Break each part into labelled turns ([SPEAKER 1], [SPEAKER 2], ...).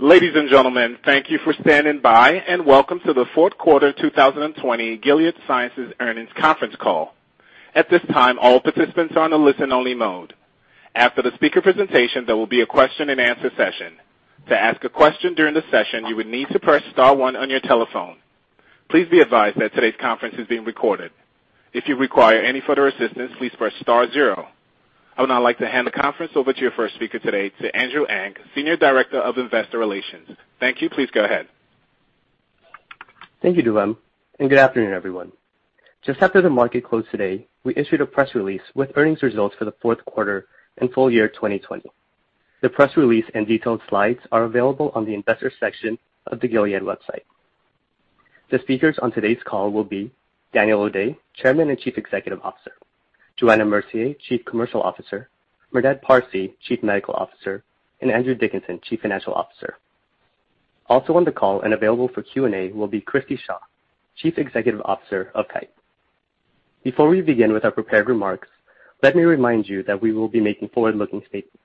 [SPEAKER 1] Ladies and gentlemen, thank you for standing by and welcome to the fourth quarter 2020 Gilead Sciences earnings conference call. At this time, all participants are on a listen-only mode. After the speaker presentation, there will be a question and answer session. To ask a question during the session, you would need to press star one on your telephone. Please be advised that today's conference is being recorded. If you require any further assistance, please press star zero. I would now like to hand the conference over to your first speaker today, to Andrew Ang, Senior Director of Investor Relations. Thank you. Please go ahead.
[SPEAKER 2] Thank you, Duwam, and good afternoon, everyone. Just after the market closed today, we issued a press release with earnings results for the fourth quarter and full year 2020. The press release and detailed slides are available on the investor section of the Gilead website. The speakers on today's call will be Daniel O'Day, Chairman and Chief Executive Officer, Johanna Mercier, Chief Commercial Officer, Merdad Parsey, Chief Medical Officer, and Andrew Dickinson, Chief Financial Officer. Also, on the call and available for Q&A will be Christi Shaw, Chief Executive Officer of Kite. Before we begin with our prepared remarks, let me remind you that we will be making forward-looking statements,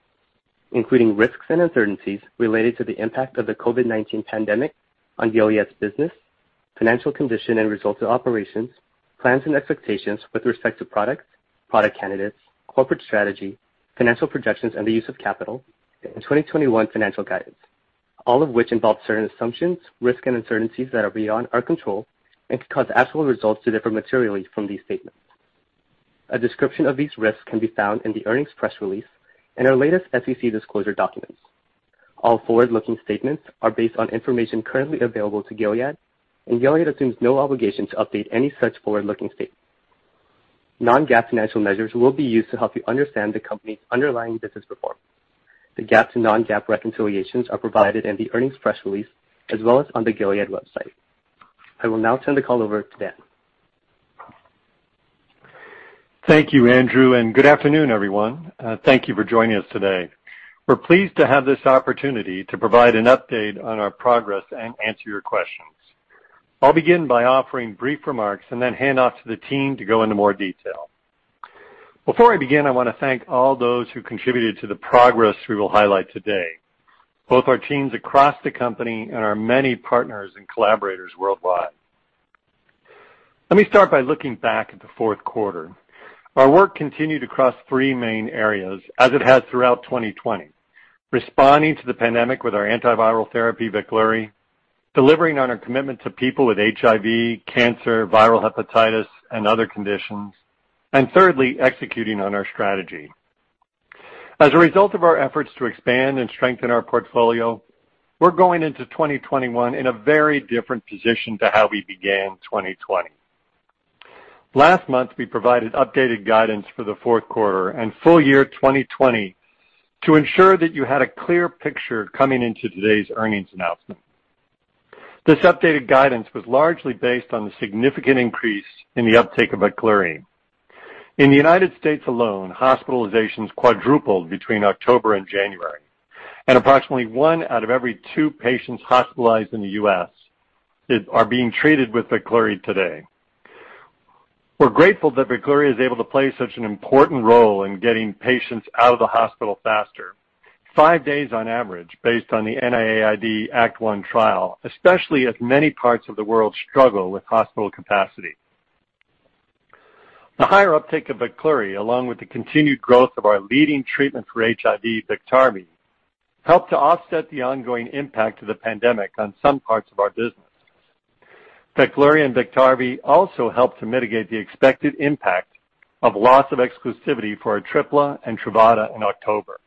[SPEAKER 2] including risks and uncertainties related to the impact of the COVID-19 pandemic on Gilead's business, financial condition and results of operations, plans and expectations with respect to products, product candidates, corporate strategy, financial projections and the use of capital, and 2021 financial guidance, all of which involve certain assumptions, risk and uncertainties that are beyond our control and could cause actual results to differ materially from these statements. A description of these risks can be found in the earnings press release and our latest SEC disclosure documents. All forward-looking statements are based on information currently available to Gilead, and Gilead assumes no obligation to update any such forward-looking statements. Non-GAAP financial measures will be used to help you understand the company's underlying business performance. The GAAP and non-GAAP reconciliations are provided in the earnings press release as well as on the Gilead website. I will now turn the call over to Dan.
[SPEAKER 3] Thank you, Andrew. Good afternoon, everyone. Thank you for joining us today. We're pleased to have this opportunity to provide an update on our progress and answer your questions. I'll begin by offering brief remarks. Then hand off to the team to go into more detail. Before I begin, I want to thank all those who contributed to the progress we will highlight today, both our teams across the company and our many partners and collaborators worldwide. Let me start by looking back at the fourth quarter. Our work continued across three main areas as it has throughout 2020, responding to the pandemic with our antiviral therapy, VEKLURY, delivering on our commitment to people with HIV, cancer, viral hepatitis and other conditions, and thirdly, executing on our strategy. As a result of our efforts to expand and strengthen our portfolio, we're going into 2021 in a very different position to how we began 2020. Last month, we provided updated guidance for the fourth quarter and full year 2020 to ensure that you had a clear picture coming into today's earnings announcement. This updated guidance was largely based on the significant increase in the uptake of VEKLURY. In the U.S. alone, hospitalizations quadrupled between October and January, and approximately one out of every two patients hospitalized in the U.S. are being treated with VEKLURY today. We're grateful that VEKLURY is able to play such an important role in getting patients out of the hospital faster, five days on average, based on the NIAID ACTT-1 trial, especially as many parts of the world struggle with hospital capacity. The higher uptake of VEKLURY, along with the continued growth of our leading treatment for HIV, BIKTARVY, helped to offset the ongoing impact of the pandemic on some parts of our business. VEKLURY and BIKTARVY also helped to mitigate the expected impact of loss of exclusivity for ATRIPLA and TRUVADA in October.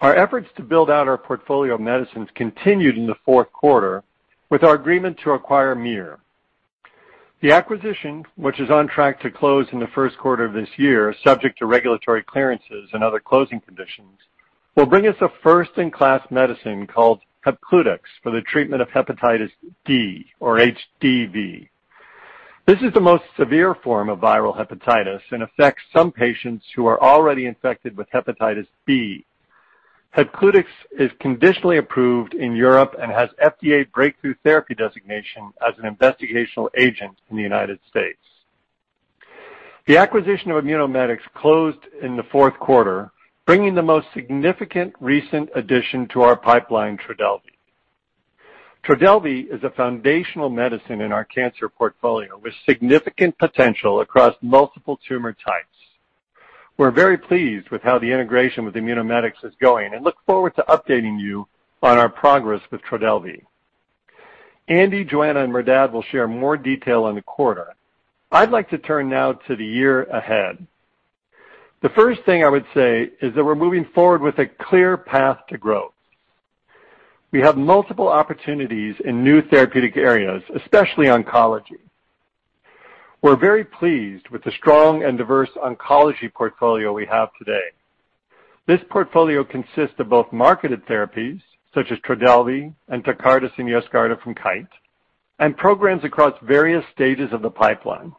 [SPEAKER 3] Our efforts to build out our portfolio of medicines continued in the fourth quarter with our agreement to acquire MYR. The acquisition, which is on track to close in the first quarter of this year, subject to regulatory clearances and other closing conditions, will bring us a first-in-class medicine called Hepcludex for the treatment of hepatitis D or HDV. This is the most severe form of viral hepatitis and affects some patients who are already infected with hepatitis B. Hepcludex is conditionally approved in Europe and has FDA breakthrough therapy designation as an investigational agent in the United States. The acquisition of Immunomedics closed in the fourth quarter, bringing the most significant recent addition to our pipeline, TRODELVY. TRODELVY is a foundational medicine in our cancer portfolio with significant potential across multiple tumor types. We're very pleased with how the integration with Immunomedics is going and look forward to updating you on our progress with TRODELVY. Andrew, Johanna, and Merdad will share more detail on the quarter. I'd like to turn now to the year ahead. The first thing I would say is that we're moving forward with a clear path to growth. We have multiple opportunities in new therapeutic areas, especially oncology. We're very pleased with the strong and diverse oncology portfolio we have today. This portfolio consists of both marketed therapies such as TRODELVY and TECARTUS and YESCARTA from Kite, and programs across various stages of the pipeline.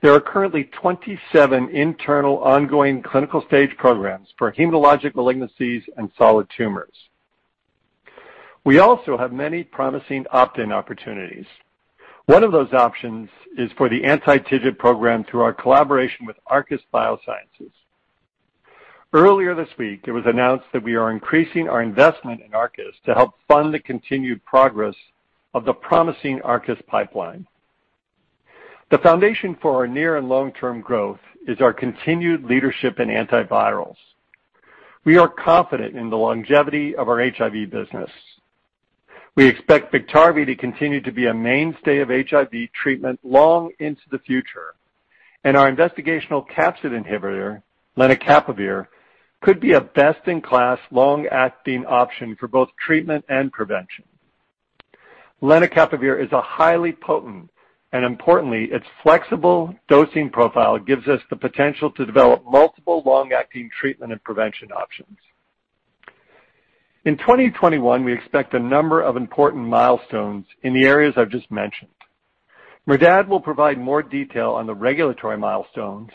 [SPEAKER 3] There are currently 27 internal ongoing clinical stage programs for hematologic malignancies and solid tumors. We also have many promising opt-in opportunities. One of those options is for the anti-TIGIT program through our collaboration with Arcus Biosciences. Earlier this week, it was announced that we are increasing our investment in Arcus to help fund the continued progress of the promising Arcus pipeline. The foundation for our near and long-term growth is our continued leadership in antivirals. We are confident in the longevity of our HIV business. We expect BIKTARVY to continue to be a mainstay of HIV treatment long into the future, and our investigational capsid inhibitor, lenacapavir, could be a best-in-class long-acting option for both treatment and prevention. Lenacapavir is highly potent, and importantly, its flexible dosing profile gives us the potential to develop multiple long-acting treatment and prevention options. In 2021, we expect a number of important milestones in the areas I've just mentioned. Merdad will provide more detail on the regulatory milestones,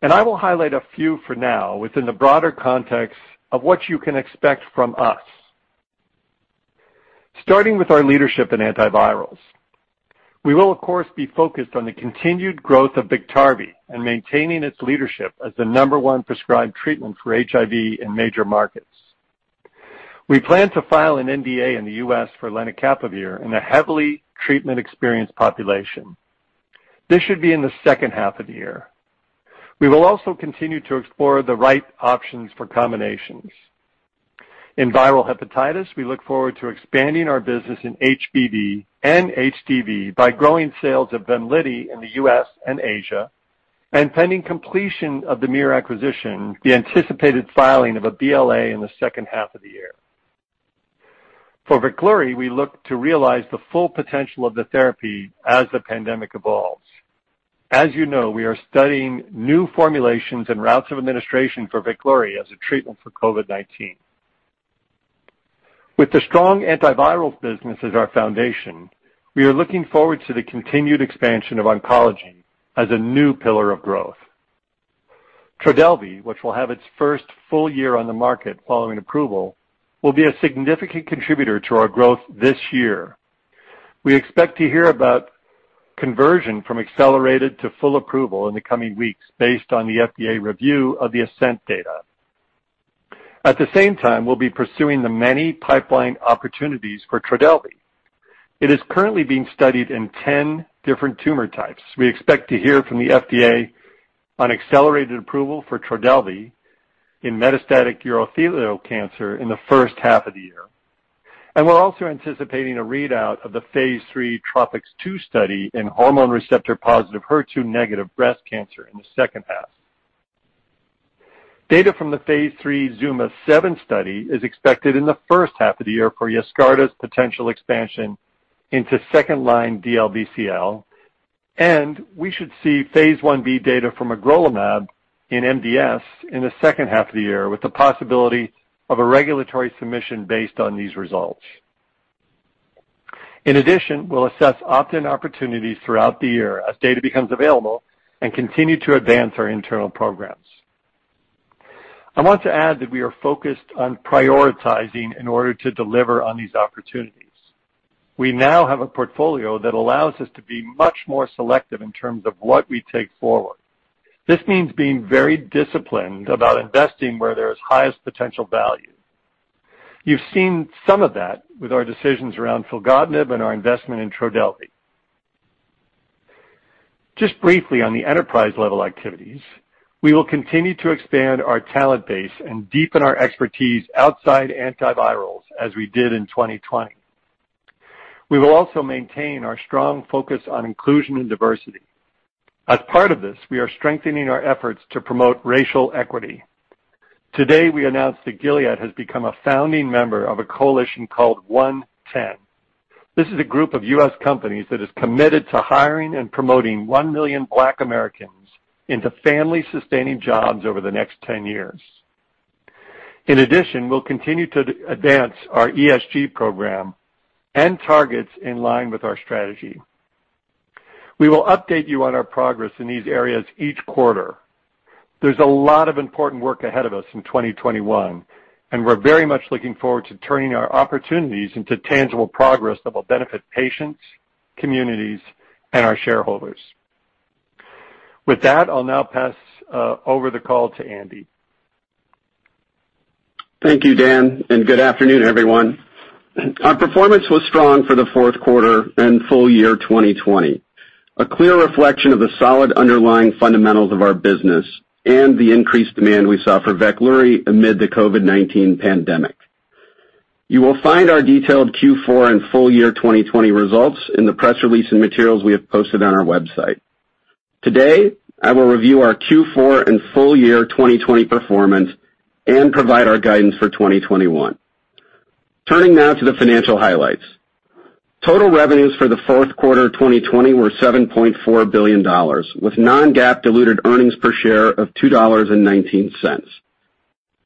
[SPEAKER 3] and I will highlight a few for now within the broader context of what you can expect from us. Starting with our leadership in antivirals, we will of course be focused on the continued growth of BIKTARVY and maintaining its leadership as the number one prescribed treatment for HIV in major markets. We plan to file an NDA in the U.S. for lenacapavir in a heavily treatment-experienced population. This should be in the second half of the year. We will also continue to explore the right options for combinations. In viral hepatitis, we look forward to expanding our business in HBV and HDV by growing sales of VEMLIDY in the U.S. and Asia, and pending completion of the MYR acquisition, the anticipated filing of a BLA in the second half of the year. For VEKLURY, we look to realize the full potential of the therapy as the pandemic evolves. As you know, we are studying new formulations and routes of administration for VEKLURY as a treatment for COVID-19. With the strong antivirals business as our foundation, we are looking forward to the continued expansion of oncology as a new pillar of growth. TRODELVY, which will have its first full year on the market following approval, will be a significant contributor to our growth this year. We expect to hear about conversion from accelerated to full approval in the coming weeks based on the FDA review of the ASCENT data. At the same time, we'll be pursuing the many pipeline opportunities for TRODELVY. It is currently being studied in 10 different tumor types. We expect to hear from the FDA on accelerated approval for TRODELVY in metastatic urothelial cancer in the first half of the year, and we're also anticipating a readout of the phase III TROPiCS-02 study in hormone receptor-positive, HER2 negative breast cancer in the second half. Data from the phase III ZUMA-7 study is expected in the first half of the year for YESCARTA's potential expansion into second-line DLBCL, and we should see phase I-B data from magrolimab in MDS in the second half of the year with the possibility of a regulatory submission based on these results. In addition, we'll assess opt-in opportunities throughout the year as data becomes available and continue to advance our internal programs. I want to add that we are focused on prioritizing in order to deliver on these opportunities. We now have a portfolio that allows us to be much more selective in terms of what we take forward. This means being very disciplined about investing where there is highest potential value. You've seen some of that with our decisions around filgotinib and our investment in TRODELVY. Just briefly on the enterprise-level activities, we will continue to expand our talent base and deepen our expertise outside antivirals as we did in 2020. We will also maintain our strong focus on inclusion and diversity. As part of this, we are strengthening our efforts to promote racial equity. Today, we announced that Gilead has become a founding member of a coalition called OneTen. This is a group of U.S. companies that is committed to hiring and promoting 1 million Black Americans into family-sustaining jobs over the next 10 years. In addition, we'll continue to advance our ESG program and targets in line with our strategy. We will update you on our progress in these areas each quarter. There's a lot of important work ahead of us in 2021, and we're very much looking forward to turning our opportunities into tangible progress that will benefit patients, communities, and our shareholders. With that, I'll now pass over the call to Andy.
[SPEAKER 4] Thank you, Dan. Good afternoon, everyone. Our performance was strong for the fourth quarter and full year 2020, a clear reflection of the solid underlying fundamentals of our business and the increased demand we saw for VEKLURY amid the COVID-19 pandemic. You will find our detailed Q4 and full year 2020 results in the press release and materials we have posted on our website. Today, I will review our Q4 and full year 2020 performance and provide our guidance for 2021. Turning now to the financial highlights. Total revenues for the fourth quarter 2020 were $7.4 billion with non-GAAP diluted earnings per share of $2.19.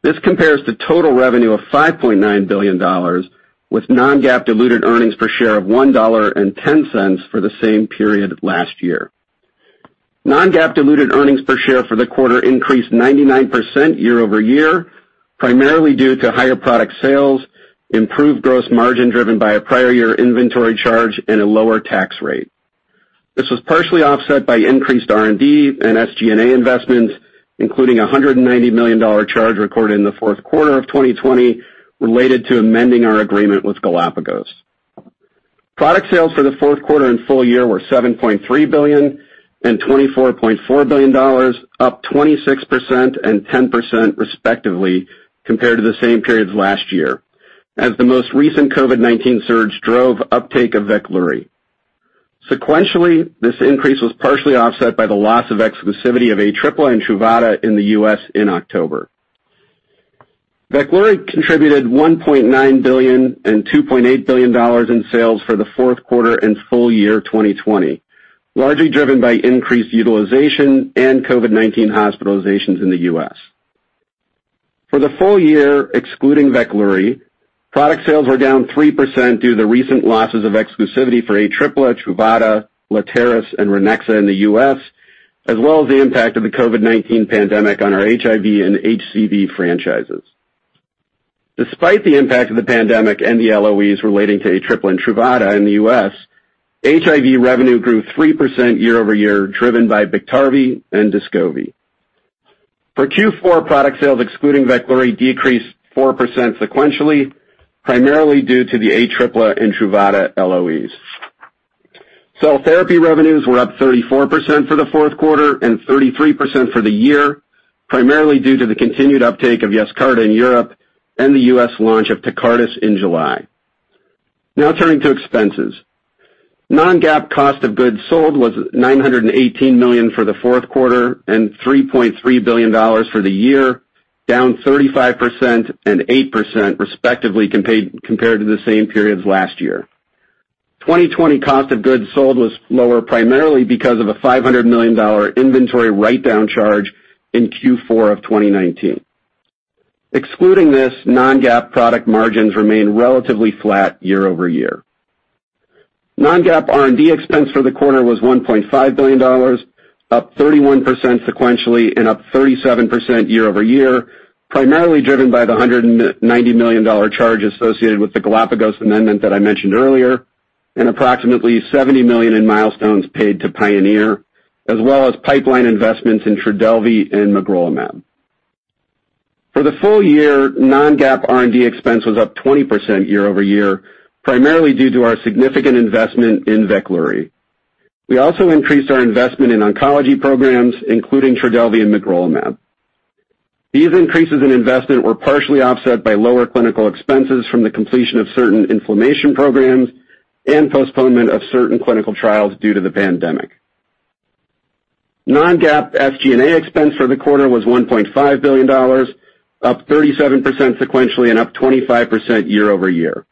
[SPEAKER 4] This compares to total revenue of $5.9 billion with non-GAAP diluted earnings per share of $1.10 for the same period last year. Non-GAAP diluted earnings per share for the quarter increased 99% year-over-year, primarily due to higher product sales, improved gross margin driven by a prior year inventory charge, and a lower tax rate. This was partially offset by increased R&D and SG&A investments, including a $190 million charge recorded in the fourth quarter of 2020 related to amending our agreement with Galapagos. Product sales for the fourth quarter and full year were $7.3 billion and $24.4 billion, up 26% and 10% respectively compared to the same periods last year, as the most recent COVID-19 surge drove uptake of VEKLURY. Sequentially, this increase was partially offset by the loss of exclusivity of ATRIPLA and TRUVADA in the U.S. in October. VEKLURY contributed $1.9 billion and $2.8 billion in sales for the fourth quarter and full year 2020, largely driven by increased utilization and COVID-19 hospitalizations in the U.S. For the full year, excluding VEKLURY, product sales were down 3% due to the recent losses of exclusivity for ATRIPLA, TRUVADA, Letairis, and Ranexa in the U.S., as well as the impact of the COVID-19 pandemic on our HIV and HCV franchises. Despite the impact of the pandemic and the LOEs relating to ATRIPLA and TRUVADA in the U.S., HIV revenue grew 3% year-over-year, driven by BIKTARVY and DESCOVY. For Q4, product sales excluding VEKLURY decreased 4% sequentially, primarily due to the ATRIPLA and TRUVADA LOEs. Cell therapy revenues were up 34% for the fourth quarter and 33% for the year, primarily due to the continued uptake of YESCARTA in Europe and the U.S. launch of TECARTUS in July. Now turning to expenses. Non-GAAP cost of goods sold was $918 million for the fourth quarter, and $3.3 billion for the year, down 35% and 8% respectively compared to the same periods last year. 2020 cost of goods sold was lower primarily because of a $500 million inventory write-down charge in Q4 of 2019. Excluding this, non-GAAP product margins remained relatively flat year-over-year. Non-GAAP R&D expense for the quarter was $1.5 billion, up 31% sequentially and up 37% year-over-year, primarily driven by the $190 million charge associated with the Galapagos amendment that I mentioned earlier, and approximately $70 million in milestones paid to Pionyr, as well as pipeline investments in TRODELVY and magrolimab. For the full year, non-GAAP R&D expense was up 20% year-over-year, primarily due to our significant investment in VEKLURY. We also increased our investment in oncology programs, including TRODELVY and magrolimab. These increases in investment were partially offset by lower clinical expenses from the completion of certain inflammation programs and postponement of certain clinical trials due to the pandemic. Non-GAAP SG&A expense for the quarter was $1.5 billion, up 37% sequentially and up 25% year-over-year.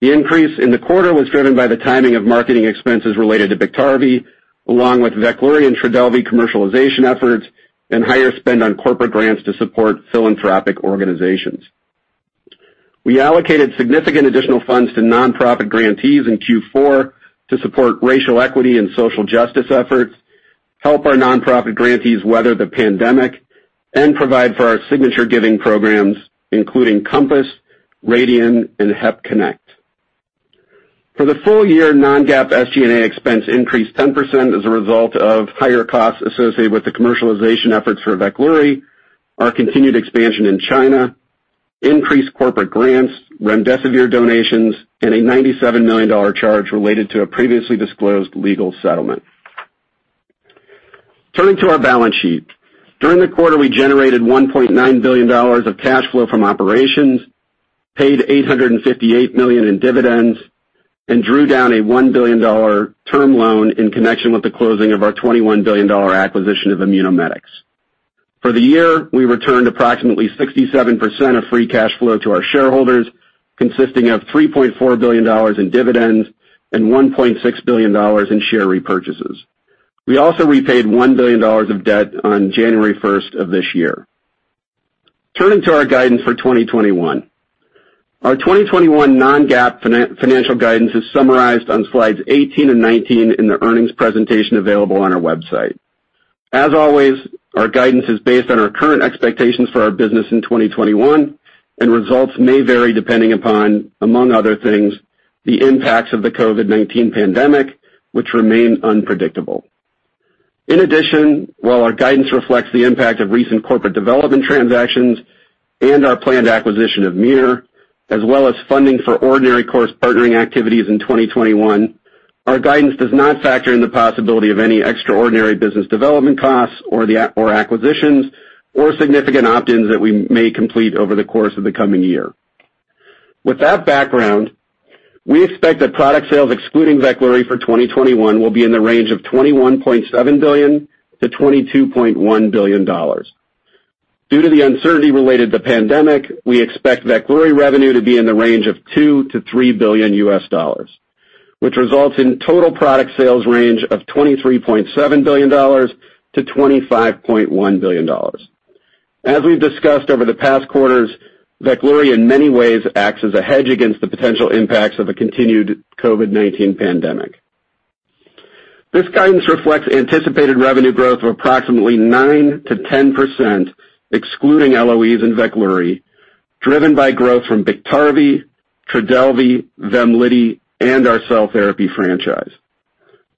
[SPEAKER 4] The increase in the quarter was driven by the timing of marketing expenses related to BIKTARVY, along with VEKLURY and TRODELVY commercialization efforts, and higher spend on corporate grants to support philanthropic organizations. We allocated significant additional funds to nonprofit grantees in Q4 to support racial equity and social justice efforts, help our nonprofit grantees weather the pandemic, and provide for our signature giving programs, including COMPASS, RADIAN, and Hep C Connect. For the full year, non-GAAP SG&A expense increased 10% as a result of higher costs associated with the commercialization efforts for VEKLURY, our continued expansion in China, increased corporate grants, remdesivir donations, and a $97 million charge related to a previously disclosed legal settlement. Turning to our balance sheet. During the quarter, we generated $1.9 billion of cash flow from operations, paid $858 million in dividends, and drew down a $1 billion term loan in connection with the closing of our $21 billion acquisition of Immunomedics. For the year, we returned approximately 67% of free cash flow to our shareholders, consisting of $3.4 billion in dividends and $1.6 billion in share repurchases. We also repaid $1 billion of debt on January first of this year. Turning to our guidance for 2021. Our 2021 non-GAAP financial guidance is summarized on slides 18 and 19 in the earnings presentation available on our website. As always, our guidance is based on our current expectations for our business in 2021 and results may vary depending upon, among other things, the impacts of the COVID-19 pandemic, which remain unpredictable. In addition, while our guidance reflects the impact of recent corporate development transactions and our planned acquisition of MYR, as well as funding for ordinary course partnering activities in 2021, our guidance does not factor in the possibility of any extraordinary business development costs or acquisitions, or significant opt-ins that we may complete over the course of the coming year. With that background, we expect that product sales excluding VEKLURY for 2021 will be in the range of $21.7 billion-$22.1 billion. Due to the uncertainty related to the pandemic, we expect VEKLURY revenue to be in the range of $2 billion-$3 billion, which results in total product sales range of $23.7 billion-$25.1 billion. As we've discussed over the past quarters, VEKLURY in many ways acts as a hedge against the potential impacts of a continued COVID-19 pandemic. This guidance reflects anticipated revenue growth of approximately 9%-10%, excluding LOEs in VEKLURY, driven by growth from BIKTARVY, TRODELVY, VEMLIDY and our cell therapy franchise.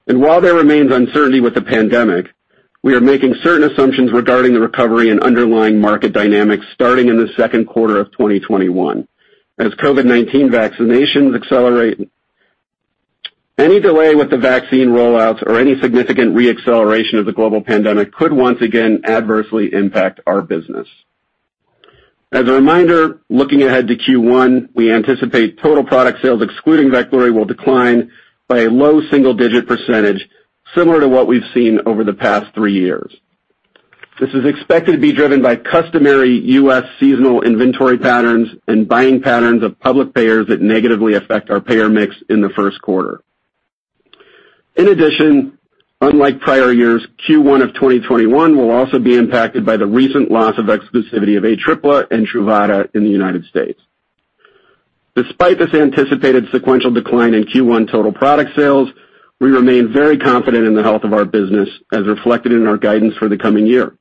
[SPEAKER 4] While there remains uncertainty with the pandemic, we are making certain assumptions regarding the recovery and underlying market dynamics starting in the second quarter of 2021. As COVID-19 vaccinations accelerate, any delay with the vaccine rollouts or any significant re-acceleration of the global pandemic could once again adversely impact our business. As a reminder, looking ahead to Q1, we anticipate total product sales excluding VEKLURY will decline by a low single-digit percentage, similar to what we've seen over the past three years. This is expected to be driven by customary U.S. seasonal inventory patterns and buying patterns of public payers that negatively affect our payer mix in the first quarter. Unlike prior years, Q1 of 2021 will also be impacted by the recent loss of exclusivity of ATRIPLA and TRUVADA in the U.S. Despite this anticipated sequential decline in Q1 total product sales, we remain very confident in the health of our business as reflected in our guidance for the coming year.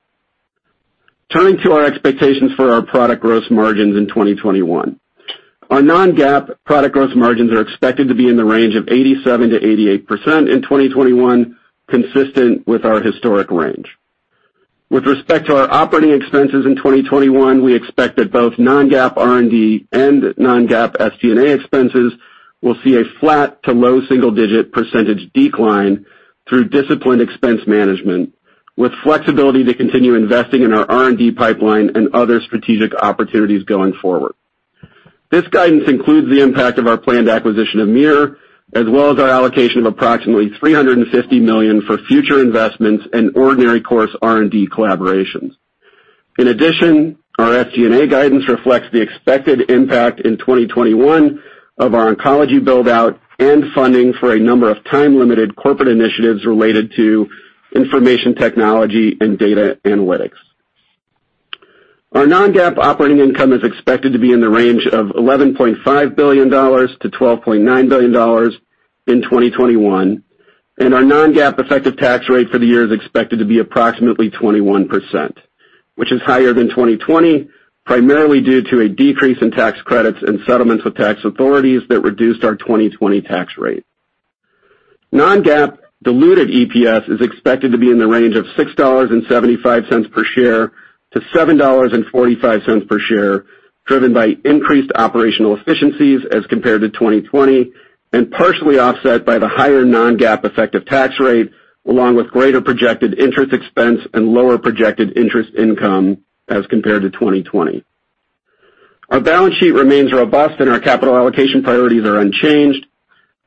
[SPEAKER 4] Turning to our expectations for our product gross margins in 2021. Our non-GAAP product gross margins are expected to be in the range of 87%-88% in 2021, consistent with our historic range. With respect to our operating expenses in 2021, we expect that both non-GAAP R&D and non-GAAP SG&A expenses will see a flat to low single-digit percentage decline through disciplined expense management, with flexibility to continue investing in our R&D pipeline and other strategic opportunities going forward. This guidance includes the impact of our planned acquisition of MYR as well as our allocation of approximately $350 million for future investments and ordinary course R&D collaborations. In addition, our SG&A guidance reflects the expected impact in 2021 of our oncology build-out and funding for a number of time-limited corporate initiatives related to information technology and data analytics. Our non-GAAP operating income is expected to be in the range of $11.5 billion-$12.9 billion in 2021, and our non-GAAP effective tax rate for the year is expected to be approximately 21%, which is higher than 2020, primarily due to a decrease in tax credits and settlements with tax authorities that reduced our 2020 tax rate. Non-GAAP diluted EPS is expected to be in the range of $6.75 per share to $7.45 per share, driven by increased operational efficiencies as compared to 2020 and partially offset by the higher non-GAAP effective tax rate, along with greater projected interest expense and lower projected interest income as compared to 2020. Our balance sheet remains robust and our capital allocation priorities are unchanged.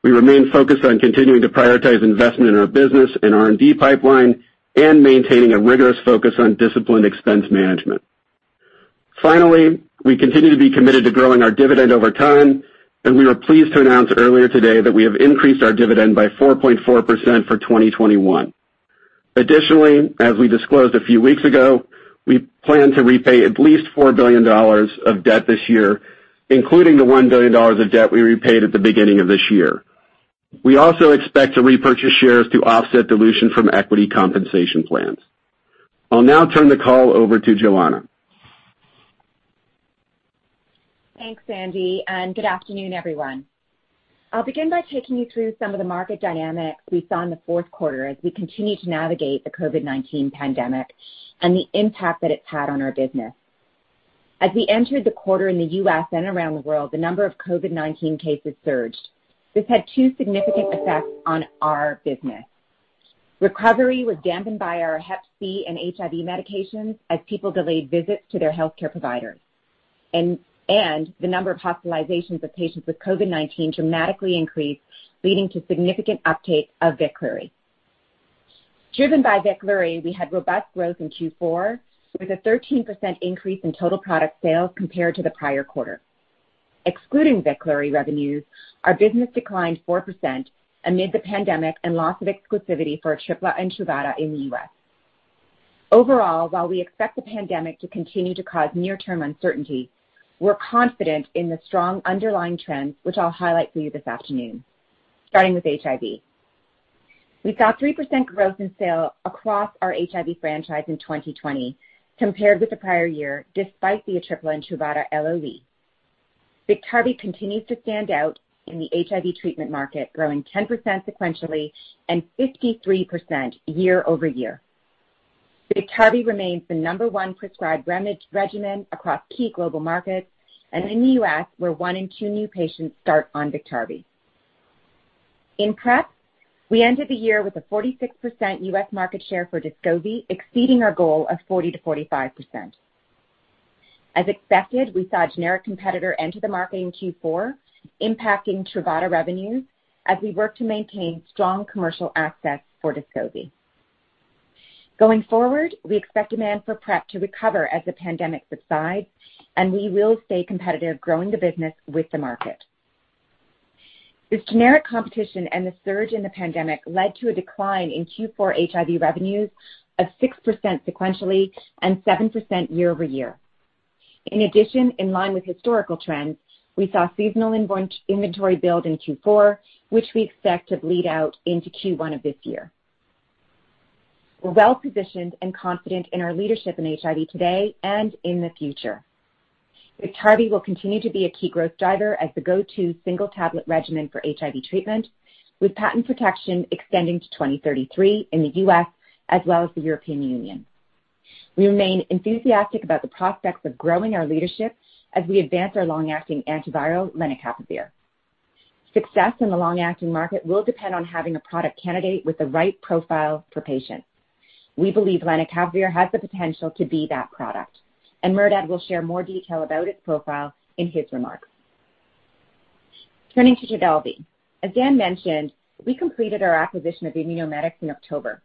[SPEAKER 4] We remain focused on continuing to prioritize investment in our business and R&D pipeline and maintaining a rigorous focus on disciplined expense management. Finally, we continue to be committed to growing our dividend over time, and we were pleased to announce earlier today that we have increased our dividend by 4.4% for 2021. Additionally, as we disclosed a few weeks ago, we plan to repay at least $4 billion of debt this year, including the $1 billion of debt we repaid at the beginning of this year. We also expect to repurchase shares to offset dilution from equity compensation plans. I'll now turn the call over to Johanna.
[SPEAKER 5] Thanks, Andy. Good afternoon, everyone. I'll begin by taking you through some of the market dynamics we saw in the fourth quarter as we continue to navigate the COVID-19 pandemic and the impact that it's had on our business. As we entered the quarter in the U.S. and around the world, the number of COVID-19 cases surged. This had two significant effects on our business. Recovery was dampened by our HCV and HIV medications as people delayed visits to their healthcare provider. The number of hospitalizations of patients with COVID-19 dramatically increased, leading to significant uptake of VEKLURY. Driven by VEKLURY, we had robust growth in Q4, with a 13% increase in total product sales compared to the prior quarter. Excluding VEKLURY revenues, our business declined 4% amid the pandemic and loss of exclusivity for ATRIPLA and TRUVADA in the U.S. Overall, while we expect the pandemic to continue to cause near-term uncertainty, we're confident in the strong underlying trends, which I'll highlight for you this afternoon. Starting with HIV. We saw 3% growth in sale across our HIV franchise in 2020 compared with the prior year, despite the ATRIPLA and TRUVADA LOE. BIKTARVY continues to stand out in the HIV treatment market, growing 10% sequentially and 53% year-over-year. BIKTARVY remains the number one prescribed regimen across key global markets and in the U.S., where one in two new patients start on BIKTARVY. In PrEP, we ended the year with a 46% U.S. market share for DESCOVY, exceeding our goal of 40%-45%. As expected, we saw a generic competitor enter the market in Q4, impacting TRUVADA revenues as we work to maintain strong commercial access for DESCOVY. Going forward, we expect demand for PrEP to recover as the pandemic subsides, and we will stay competitive growing the business with the market. This generic competition and the surge in the pandemic led to a decline in Q4 HIV revenues of 6% sequentially and 7% year-over-year. In addition, in line with historical trends, we saw seasonal inventory build in Q4, which we expect to bleed out into Q1 of this year. We're well-positioned and confident in our leadership in HIV today and in the future. BIKTARVY will continue to be a key growth driver as the go-to single-tablet regimen for HIV treatment, with patent protection extending to 2033 in the U.S. as well as the European Union. We remain enthusiastic about the prospects of growing our leadership as we advance our long-acting antiviral, lenacapavir. Success in the long-acting market will depend on having a product candidate with the right profile for patients. We believe lenacapavir has the potential to be that product. Merdad will share more detail about its profile in his remarks. Turning to TRODELVY. As Dan mentioned, we completed our acquisition of Immunomedics in October.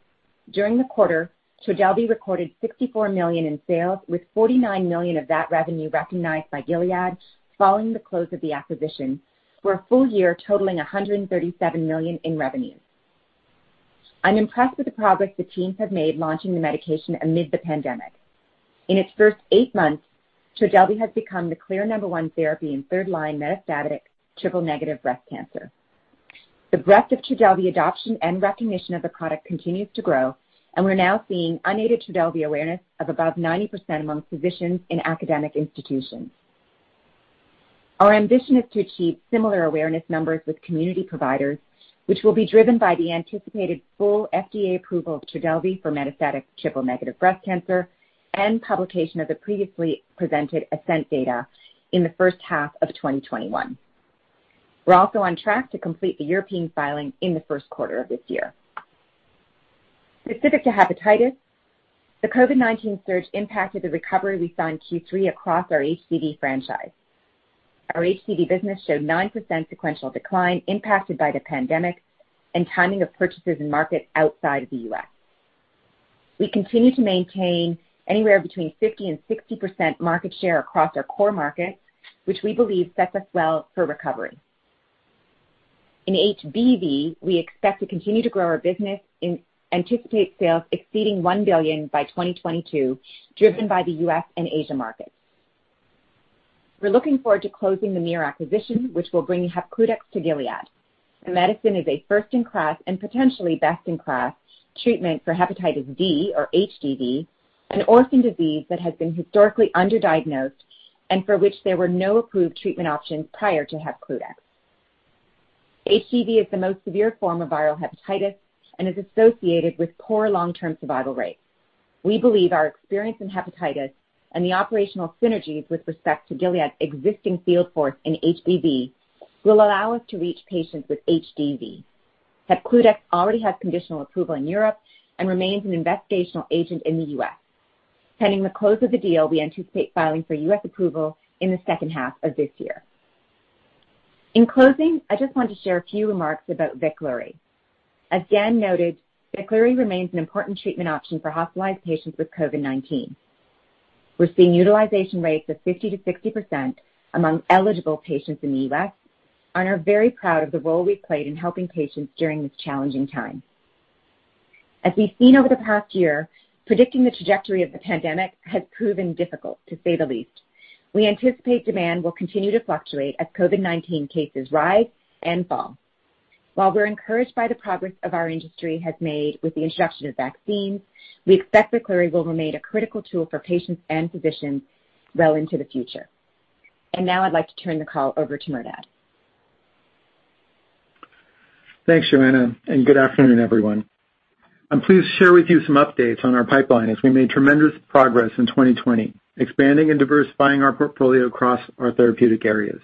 [SPEAKER 5] During the quarter, TRODELVY recorded $64 million in sales, with $49 million of that revenue recognized by Gilead following the close of the acquisition for a full year totaling $137 million in revenue. I'm impressed with the progress the teams have made launching the medication amid the pandemic. In its first eight months, TRODELVY has become the clear number 1 therapy in third-line metastatic triple-negative breast cancer. The breadth of TRODELVY adoption and recognition of the product continues to grow. We're now seeing unaided TRODELVY awareness of above 90% among physicians in academic institutions. Our ambition is to achieve similar awareness numbers with community providers, which will be driven by the anticipated full FDA approval of TRODELVY for metastatic triple-negative breast cancer and publication of the previously presented ASCENT data in the first half of 2021. We're also on track to complete the European filing in the first quarter of this year. Specific to hepatitis, the COVID-19 surge impacted the recovery we saw in Q3 across our HCV franchise. Our HCV business showed 9% sequential decline impacted by the pandemic and timing of purchases in markets outside of the U.S. We continue to maintain anywhere between 50% and 60% market share across our core markets, which we believe sets us well for recovery. In HBV, we expect to continue to grow our business and anticipate sales exceeding $1 billion by 2022, driven by the U.S. and Asia markets. We're looking forward to closing the MYR acquisition, which will bring Hepcludex to Gilead. The medicine is a first-in-class and potentially best-in-class treatment for hepatitis D, or HDV, an orphan disease that has been historically underdiagnosed and for which there were no approved treatment options prior to Hepcludex. HDV is the most severe form of viral hepatitis and is associated with poor long-term survival rates. We believe our experience in hepatitis and the operational synergies with respect to Gilead's existing field force in HBV will allow us to reach patients with HDV. Hepcludex already has conditional approval in Europe and remains an investigational agent in the U.S. Pending the close of the deal, we anticipate filing for U.S. approval in the second half of this year. In closing, I just want to share a few remarks about VEKLURY. As Dan noted, VEKLURY remains an important treatment option for hospitalized patients with COVID-19. We're seeing utilization rates of 50%-60% among eligible patients in the U.S. and are very proud of the role we've played in helping patients during this challenging time. As we've seen over the past year, predicting the trajectory of the pandemic has proven difficult, to say the least. We anticipate demand will continue to fluctuate as COVID-19 cases rise and fall. While we're encouraged by the progress our industry has made with the introduction of vaccines, we expect VEKLURY will remain a critical tool for patients and physicians well into the future. Now I'd like to turn the call over to Merdad.
[SPEAKER 6] Thanks, Johanna. Good afternoon, everyone. I'm pleased to share with you some updates on our pipeline, as we made tremendous progress in 2020, expanding and diversifying our portfolio across our therapeutic areas.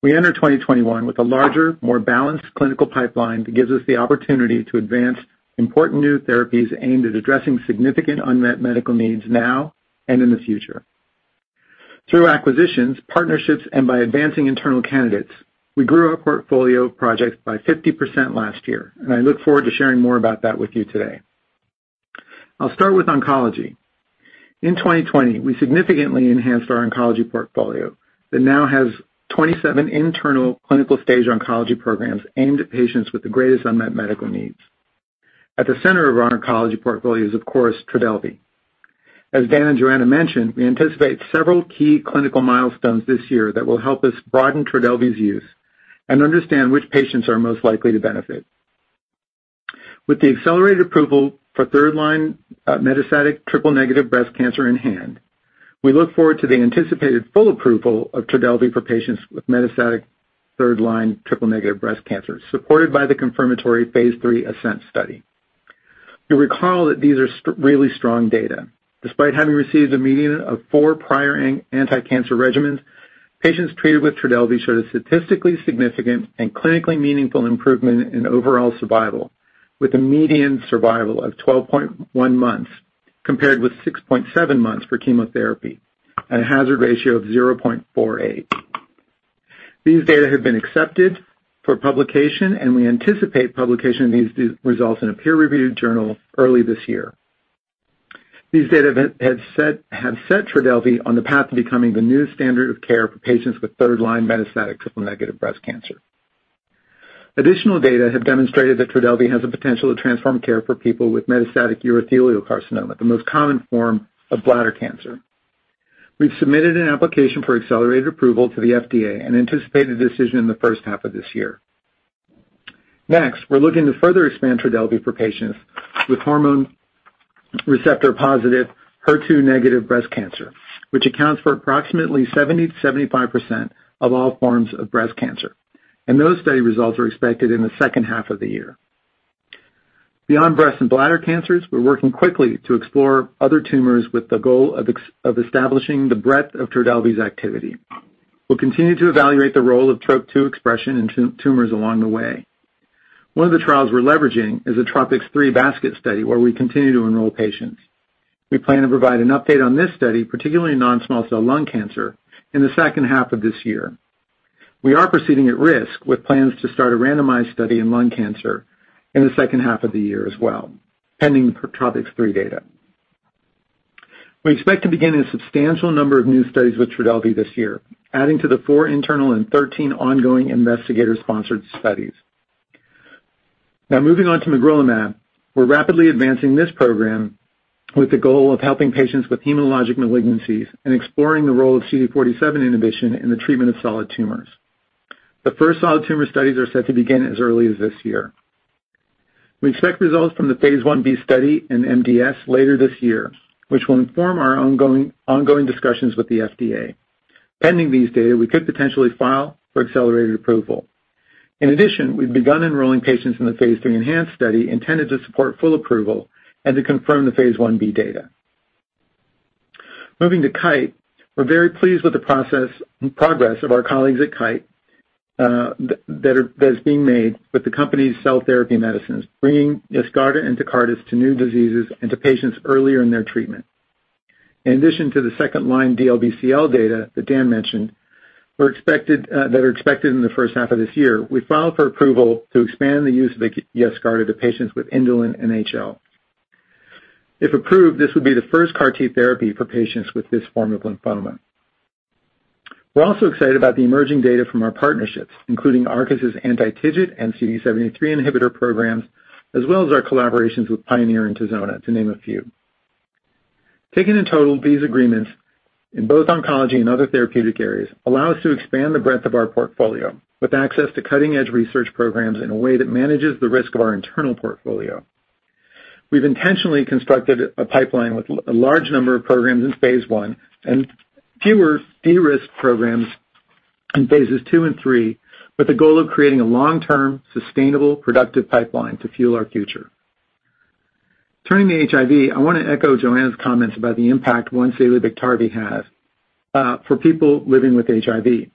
[SPEAKER 6] We enter 2021 with a larger, more balanced clinical pipeline that gives us the opportunity to advance important new therapies aimed at addressing significant unmet medical needs now and in the future. Through acquisitions, partnerships, and by advancing internal candidates, we grew our portfolio of projects by 50% last year. I look forward to sharing more about that with you today. I'll start with oncology. In 2020, we significantly enhanced our oncology portfolio that now has 27 internal clinical stage oncology programs aimed at patients with the greatest unmet medical needs. At the center of our oncology portfolio is, of course, TRODELVY. As Dan and Johanna mentioned, we anticipate several key clinical milestones this year that will help us broaden TRODELVY's use and understand which patients are most likely to benefit. With the accelerated approval for 3rd-line metastatic triple-negative breast cancer in hand, we look forward to the anticipated full approval of TRODELVY for patients with metastatic 3rd-line triple-negative breast cancer, supported by the confirmatory phase III ASCENT study. You'll recall that these are really strong data. Despite having received a median of 4 prior anti-cancer regimens, patients treated with TRODELVY showed a statistically significant and clinically meaningful improvement in overall survival, with a median survival of 12.1 months compared with 6.7 months for chemotherapy at a hazard ratio of 0.48. These data have been accepted for publication, we anticipate publication of these results in a peer-reviewed journal early this year. These data have set TRODELVY on the path to becoming the new standard of care for patients with third-line metastatic triple-negative breast cancer. Additional data have demonstrated that TRODELVY has the potential to transform care for people with metastatic urothelial carcinoma, the most common form of bladder cancer. We've submitted an application for accelerated approval to the FDA and anticipate a decision in the first half of this year. Next, we're looking to further expand TRODELVY for patients with hormone receptor-positive, HER2 negative breast cancer, which accounts for approximately 70%-75% of all forms of breast cancer, those study results are expected in the second half of the year. Beyond breast and bladder cancers, we're working quickly to explore other tumors with the goal of establishing the breadth of TRODELVY's activity. We'll continue to evaluate the role of Trop-2 expression in tumors along the way. One of the trials we're leveraging is the TROPiCS-3 basket study, where we continue to enroll patients. We plan to provide an update on this study, particularly in non-small cell lung cancer, in the second half of this year. We are proceeding at risk with plans to start a randomized study in lung cancer in the second half of the year as well, pending the TROPiCS-3 data. We expect to begin a substantial number of new studies with TRODELVY this year, adding to the four internal and 13 ongoing investigator-sponsored studies. Now, moving on to magrolimab, we're rapidly advancing this program with the goal of helping patients with hematologic malignancies and exploring the role of CD47 inhibition in the treatment of solid tumors. The first solid tumor studies are set to begin as early as this year. We expect results from the phase I-B study in MDS later this year, which will inform our ongoing discussions with the FDA. Pending these data, we could potentially file for accelerated approval. In addition, we've begun enrolling patients in the phase III ENHANCE study, intended to support full approval and to confirm the phase I-B data. Moving to Kite, we're very pleased with the progress of our colleagues at Kite that is being made with the company's cell therapy medicines, bringing YESCARTA and TECARTUS to new diseases and to patients earlier in their treatment. In addition to the second-line DLBCL data that Dan mentioned that are expected in the first half of this year, we filed for approval to expand the use of YESCARTA to patients with indolent NHL. If approved, this would be the first CAR T therapy for patients with this form of lymphoma. We're also excited about the emerging data from our partnerships, including Arcus' anti-TIGIT and CD73 inhibitor programs, as well as our collaborations with Pionyr and Tango, to name a few. Taken in total, these agreements in both oncology and other therapeutic areas allow us to expand the breadth of our portfolio with access to cutting-edge research programs in a way that manages the risk of our internal portfolio. We've intentionally constructed a pipeline with a large number of programs in phase I and fewer de-risk programs in phases II and III with the goal of creating a long-term, sustainable, productive pipeline to fuel our future. Turning to HIV, I want to echo Johanna's comments about the impact once-daily BIKTARVY has for people living with HIV.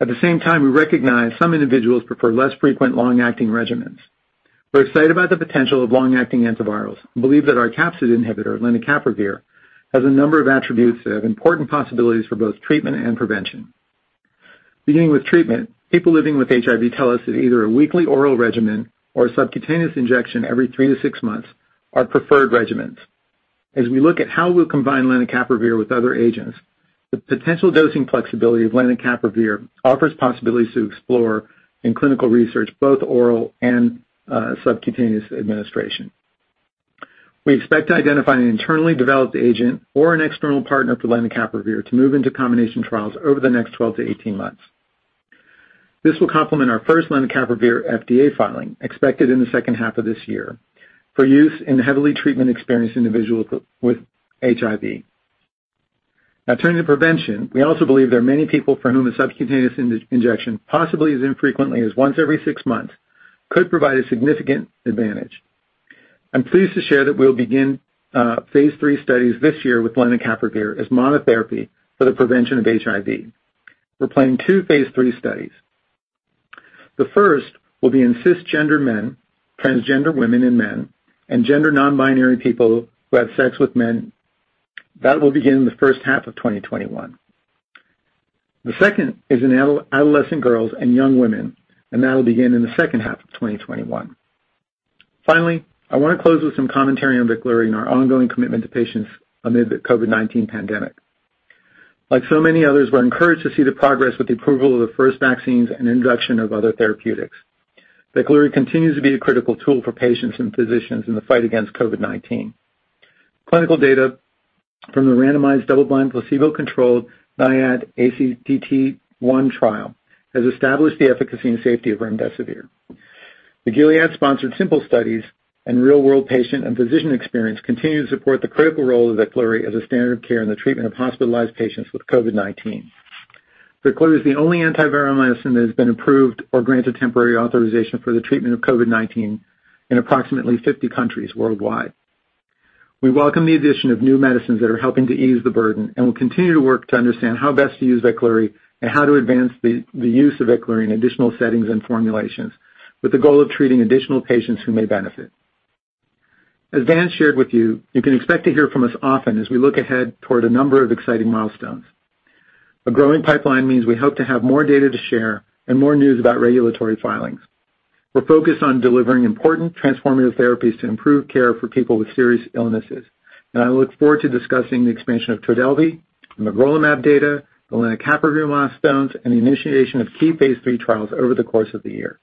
[SPEAKER 6] At the same time, we recognize some individuals prefer less frequent, long-acting regimens. We're excited about the potential of long-acting antivirals and believe that our capsid inhibitor, lenacapavir, has a number of attributes that have important possibilities for both treatment and prevention. Beginning with treatment, people living with HIV tell us that either a weekly oral regimen or a subcutaneous injection every three to six months are preferred regimens. As we look at how we'll combine lenacapavir with other agents, the potential dosing flexibility of lenacapavir offers possibilities to explore in clinical research, both oral and subcutaneous administration. We expect to identify an internally developed agent or an external partner for lenacapavir to move into combination trials over the next 12-18 months. This will complement our first lenacapavir FDA filing, expected in the second half of this year, for use in heavily treatment-experienced individuals with HIV. Now, turning to prevention, we also believe there are many people for whom a subcutaneous injection, possibly as infrequently as once every six months, could provide a significant advantage. I'm pleased to share that we'll begin phase III studies this year with lenacapavir as monotherapy for the prevention of HIV. We're planning two phase III studies. The first will be in cisgender men, transgender women and men, and gender non-binary people who have sex with men. That will begin in the first half of 2021. The second is in adolescent girls and young women, and that'll begin in the second half of 2021. Finally, I want to close with some commentary on VEKLURY and our ongoing commitment to patients amid the COVID-19 pandemic. Like so many others, we're encouraged to see the progress with the approval of the first vaccines and introduction of other therapeutics. VEKLURY continues to be a critical tool for patients and physicians in the fight against COVID-19. Clinical data from the randomized, double-blind, placebo-controlled NIAID ACTT-1 trial has established the efficacy and safety of remdesivir. The Gilead-sponsored SIMPLE studies and real-world patient and physician experience continue to support the critical role of VEKLURY as a standard of care in the treatment of hospitalized patients with COVID-19. VEKLURY is the only antiviral medicine that has been approved or granted temporary authorization for the treatment of COVID-19 in approximately 50 countries worldwide. We welcome the addition of new medicines that are helping to ease the burden and will continue to work to understand how best to use VEKLURY and how to advance the use of VEKLURY in additional settings and formulations, with the goal of treating additional patients who may benefit. As Dan shared with you can expect to hear from us often as we look ahead toward a number of exciting milestones. A growing pipeline means we hope to have more data to share and more news about regulatory filings. We're focused on delivering important transformative therapies to improve care for people with serious illnesses. I look forward to discussing the expansion of TRODELVY, the magrolimab data, the lenacapavir milestones, and the initiation of key phase III trials over the course of the year.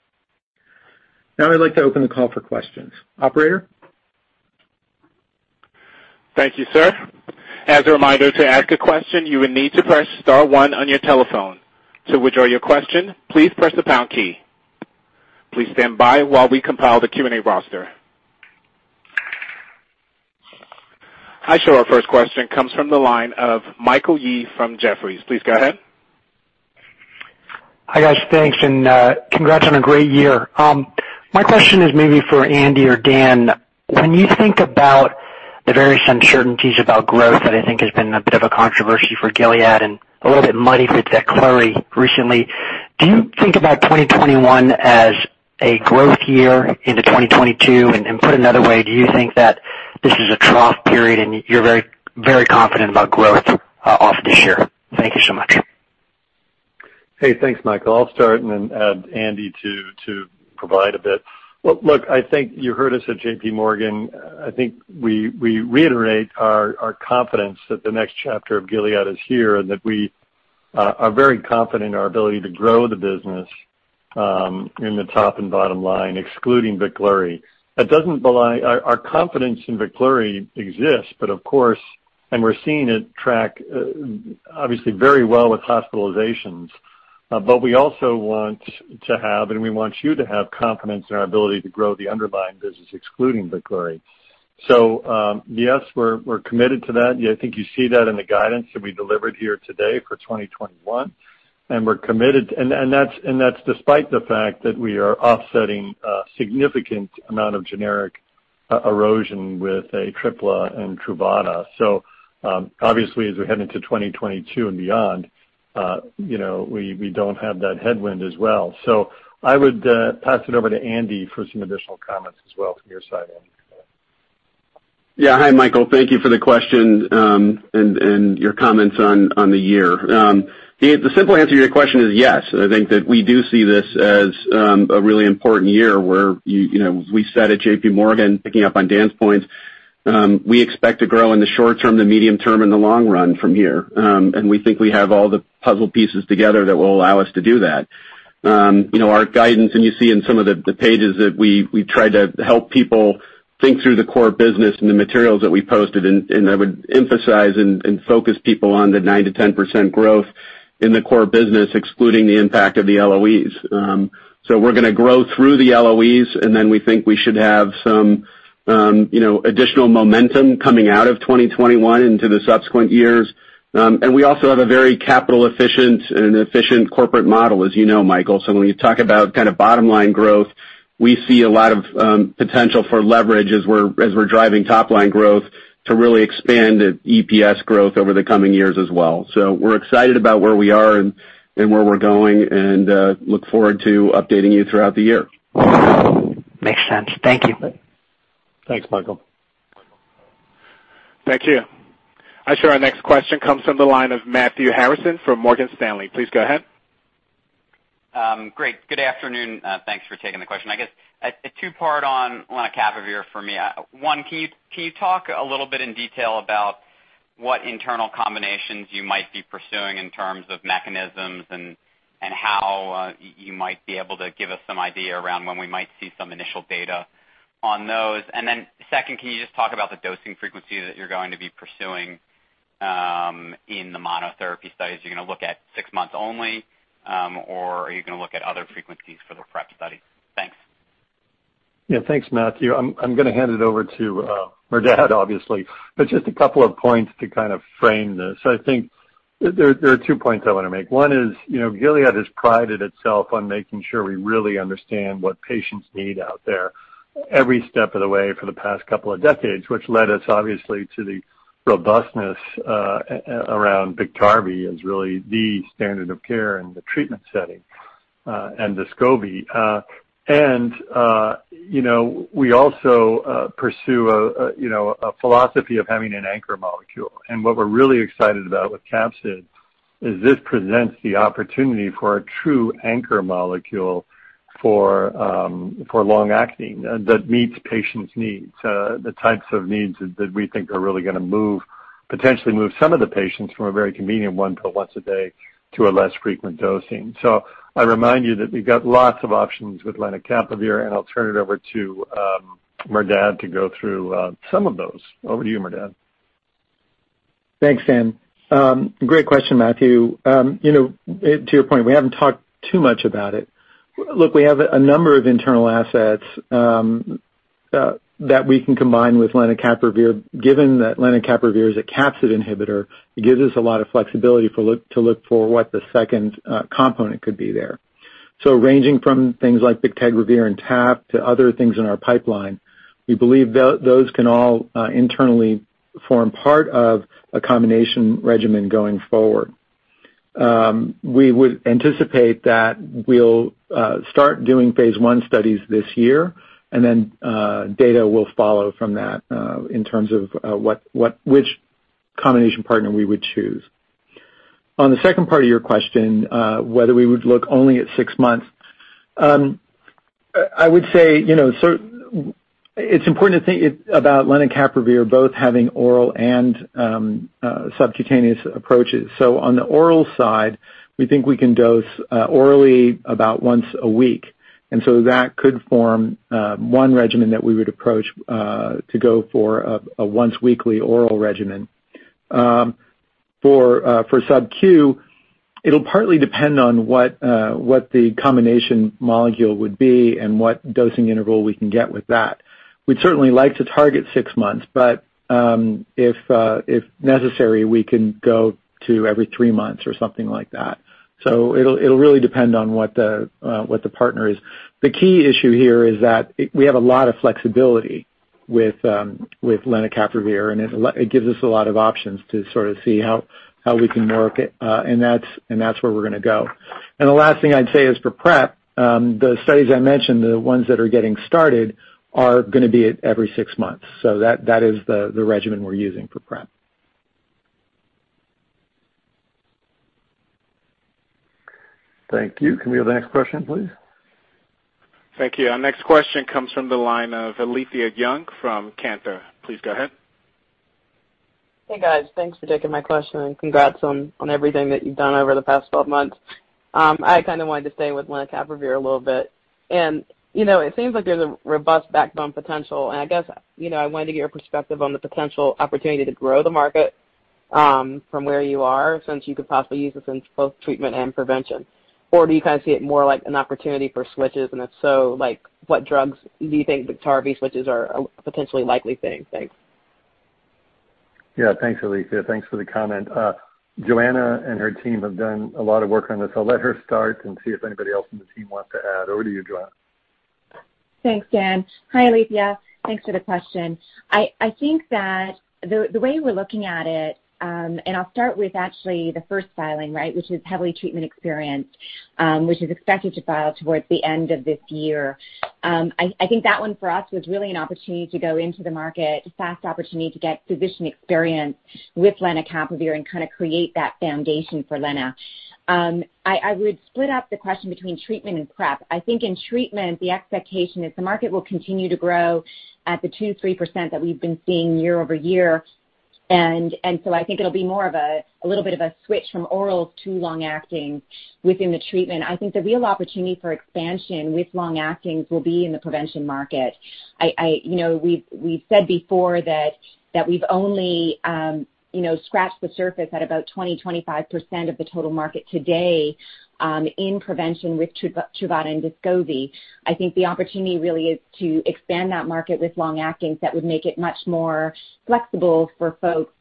[SPEAKER 6] Now I'd like to open the call for questions. Operator?
[SPEAKER 1] Thank you, sir. As a reminder, to ask a question, you will need to press star one on your telephone. To withdraw your question, please press the pound key. Please stand by while we compile the Q&A roster. I show our first question comes from the line of Michael Yee from Jefferies. Please go ahead.
[SPEAKER 7] Hi, guys. Thanks, and congrats on a great year. My question is maybe for Andy or Dan. When you think about the various uncertainties about growth that I think has been a bit of a controversy for Gilead and a little bit muddy with VEKLURY recently, do you think about 2021 as a growth year into 2022? Put another way, do you think that this is a trough period and you're very confident about growth off this year? Thank you so much.
[SPEAKER 3] Hey, thanks, Michael. I'll start and then add Andy to provide a bit. Look, I think you heard us at JPMorgan. I think we reiterate our confidence that the next chapter of Gilead is here and that we are very confident in our ability to grow the business in the top and bottom line, excluding VEKLURY. Our confidence in VEKLURY exists, but of course we're seeing it track obviously very well with hospitalizations. We also want to have, and we want you to have confidence in our ability to grow the underlying business excluding VEKLURY. Yes, we're committed to that. I think you see that in the guidance that we delivered here today for 2021, and we're committed. That's despite the fact that we are offsetting a significant amount of generic erosion with ATRIPLA and TRUVADA. Obviously as we head into 2022 and beyond, we don't have that headwind as well. I would pass it over to Andy for some additional comments as well from your side, Andy.
[SPEAKER 4] Yeah. Hi, Michael. Thank you for the question and your comments on the year. The simple answer to your question is yes, I think that we do see this as a really important year where, as we said at JPMorgan, picking up on Dan's points, we expect to grow in the short term, the medium term, and the long run from here. We think we have all the puzzle pieces together that will allow us to do that. Our guidance, and you see in some of the pages that we tried to help people think through the core business and the materials that we posted, and I would emphasize and focus people on the 9%-10% growth in the core business, excluding the impact of the LOEs. We're going to grow through the LOEs. We think we should have some additional momentum coming out of 2021 into the subsequent years. We also have a very capital efficient and efficient corporate model, as you know, Michael. When you talk about bottom line growth, we see a lot of potential for leverage as we're driving top line growth to really expand EPS growth over the coming years as well. We're excited about where we are and where we're going, and look forward to updating you throughout the year.
[SPEAKER 7] Makes sense. Thank you.
[SPEAKER 4] Thanks, Michael.
[SPEAKER 1] Thank you. I show our next question comes from the line of Matthew Harrison from Morgan Stanley. Please go ahead.
[SPEAKER 8] Great. Good afternoon. Thanks for taking the question. I guess a two-part on lenacapavir for me. One, can you talk a little bit in detail about what internal combinations you might be pursuing in terms of mechanisms and how you might be able to give us some idea around when we might see some initial data on those? Second, can you just talk about the dosing frequency that you're going to be pursuing in the monotherapy studies? Are you going to look at six months only, or are you going to look at other frequencies for the PrEP study? Thanks.
[SPEAKER 3] Thanks, Matthew. I'm going to hand it over to Merdad, obviously, but just a couple of points to frame this. I think there are two points I want to make. One is, Gilead has prided itself on making sure we really understand what patients need out there every step of the way for the past couple of decades, which led us, obviously, to the robustness around BIKTARVY as really the standard of care in the treatment setting, and DESCOVY. We also pursue a philosophy of having an anchor molecule. What we're really excited about with capsid is this presents the opportunity for a true anchor molecule for long-acting that meets patients' needs, the types of needs that we think are really going to potentially move some of the patients from a very convenient one pill once a day to a less frequent dosing. I remind you that we've got lots of options with lenacapavir, and I'll turn it over to Merdad to go through some of those. Over to you, Merdad.
[SPEAKER 6] Thanks, Dan. Great question, Matthew. To your point, we haven't talked too much about it. Look, we have a number of internal assets that we can combine with lenacapavir. Given that lenacapavir is a capsid inhibitor, it gives us a lot of flexibility to look for what the second component could be there. Ranging from things like bictegravir and TAF to other things in our pipeline, we believe those can all internally form part of a combination regimen going forward. We would anticipate that we'll start doing phase I studies this year, data will follow from that in terms of which combination partner we would choose. On the second part of your question, whether we would look only at six months, I would say it's important to think about lenacapavir both having oral and subcutaneous approaches. On the oral side, we think we can dose orally about once a week, that could form one regimen that we would approach to go for a once weekly oral regimen. For subcu, it'll partly depend on what the combination molecule would be and what dosing interval we can get with that. We'd certainly like to target six months. If necessary, we can go to every three months or something like that. It'll really depend on what the partner is. The key issue here is that we have a lot of flexibility with lenacapavir, it gives us a lot of options to sort of see how we can work it, that's where we're going to go. The last thing I'd say is for PrEP, the studies I mentioned, the ones that are getting started are going to be at every six months. That is the regimen we're using for PrEP.
[SPEAKER 3] Thank you. Can we have the next question, please?
[SPEAKER 1] Thank you. Our next question comes from the line of Alethia Young from Cantor. Please go ahead.
[SPEAKER 9] Hey, guys. Thanks for taking my question and congrats on everything that you've done over the past 12 months. I kind of wanted to stay with lenacapavir a little bit. It seems like there's a robust backbone potential, and I guess, I wanted to get your perspective on the potential opportunity to grow the market, from where you are, since you could possibly use this in both treatment and prevention. Or do you kind of see it more like an opportunity for switches? If so, what drugs do you think BIKTARVY switches are a potentially likely thing? Thanks.
[SPEAKER 3] Thanks, Alethia. Thanks for the comment. Johanna and her team have done a lot of work on this. I'll let her start and see if anybody else on the team wants to add. Over to you, Johanna.
[SPEAKER 5] Thanks, Dan. Hi, Alethia. Thanks for the question. I think that the way we're looking at it, I'll start with actually the first filing, right, which is heavily treatment experienced, which is expected to file towards the end of this year. I think that one for us was really an opportunity to go into the market, a fast opportunity to get physician experience with lenacapavir and kind of create that foundation for Lena. I would split up the question between treatment and PrEP. I think in treatment, the expectation is the market will continue to grow at the 2%, 3% that we've been seeing year-over-year. I think it'll be more of a little bit of a switch from orals to long-acting within the treatment. I think the real opportunity for expansion with long-actings will be in the prevention market. We've said before that we've only scratched the surface at about 20%-25% of the total market today, in prevention with TRUVADA and DESCOVY. I think the opportunity really is to expand that market with long-actings that would make it much more flexible for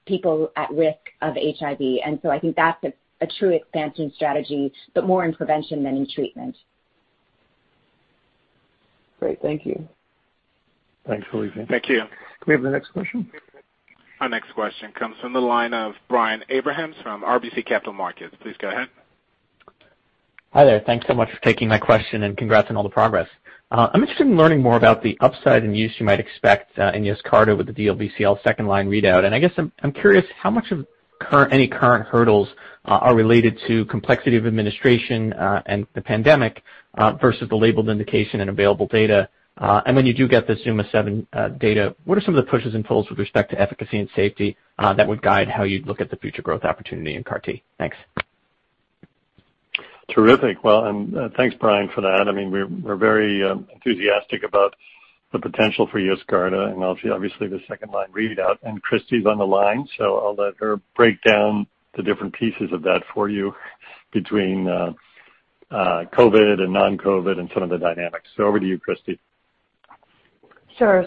[SPEAKER 5] people at risk of HIV. I think that's a true expansion strategy, but more in prevention than in treatment.
[SPEAKER 9] Great. Thank you.
[SPEAKER 3] Thanks, Alethia.
[SPEAKER 1] Thank you.
[SPEAKER 3] Can we have the next question?
[SPEAKER 1] Our next question comes from the line of Brian Abrahams from RBC Capital Markets. Please go ahead.
[SPEAKER 10] Hi there. Thanks so much for taking my question, and congrats on all the progress. I'm interested in learning more about the upside and use you might expect in YESCARTA with the DLBCL 2nd line readout. I guess I'm curious how much of any current hurdles are related to complexity of administration, and the pandemic, versus the labeled indication and available data. When you do get the ZUMA-7 data, what are some of the pushes and pulls with respect to efficacy and safety that would guide how you'd look at the future growth opportunity in CAR T? Thanks.
[SPEAKER 3] Terrific. Thanks, Brian, for that. I mean, we're very enthusiastic about the potential for YESCARTA and obviously the second line readout. Christi's on the line, so I'll let her break down the different pieces of that for you between COVID and non-COVID and some of the dynamics. Over to you, Christi.
[SPEAKER 11] Sure.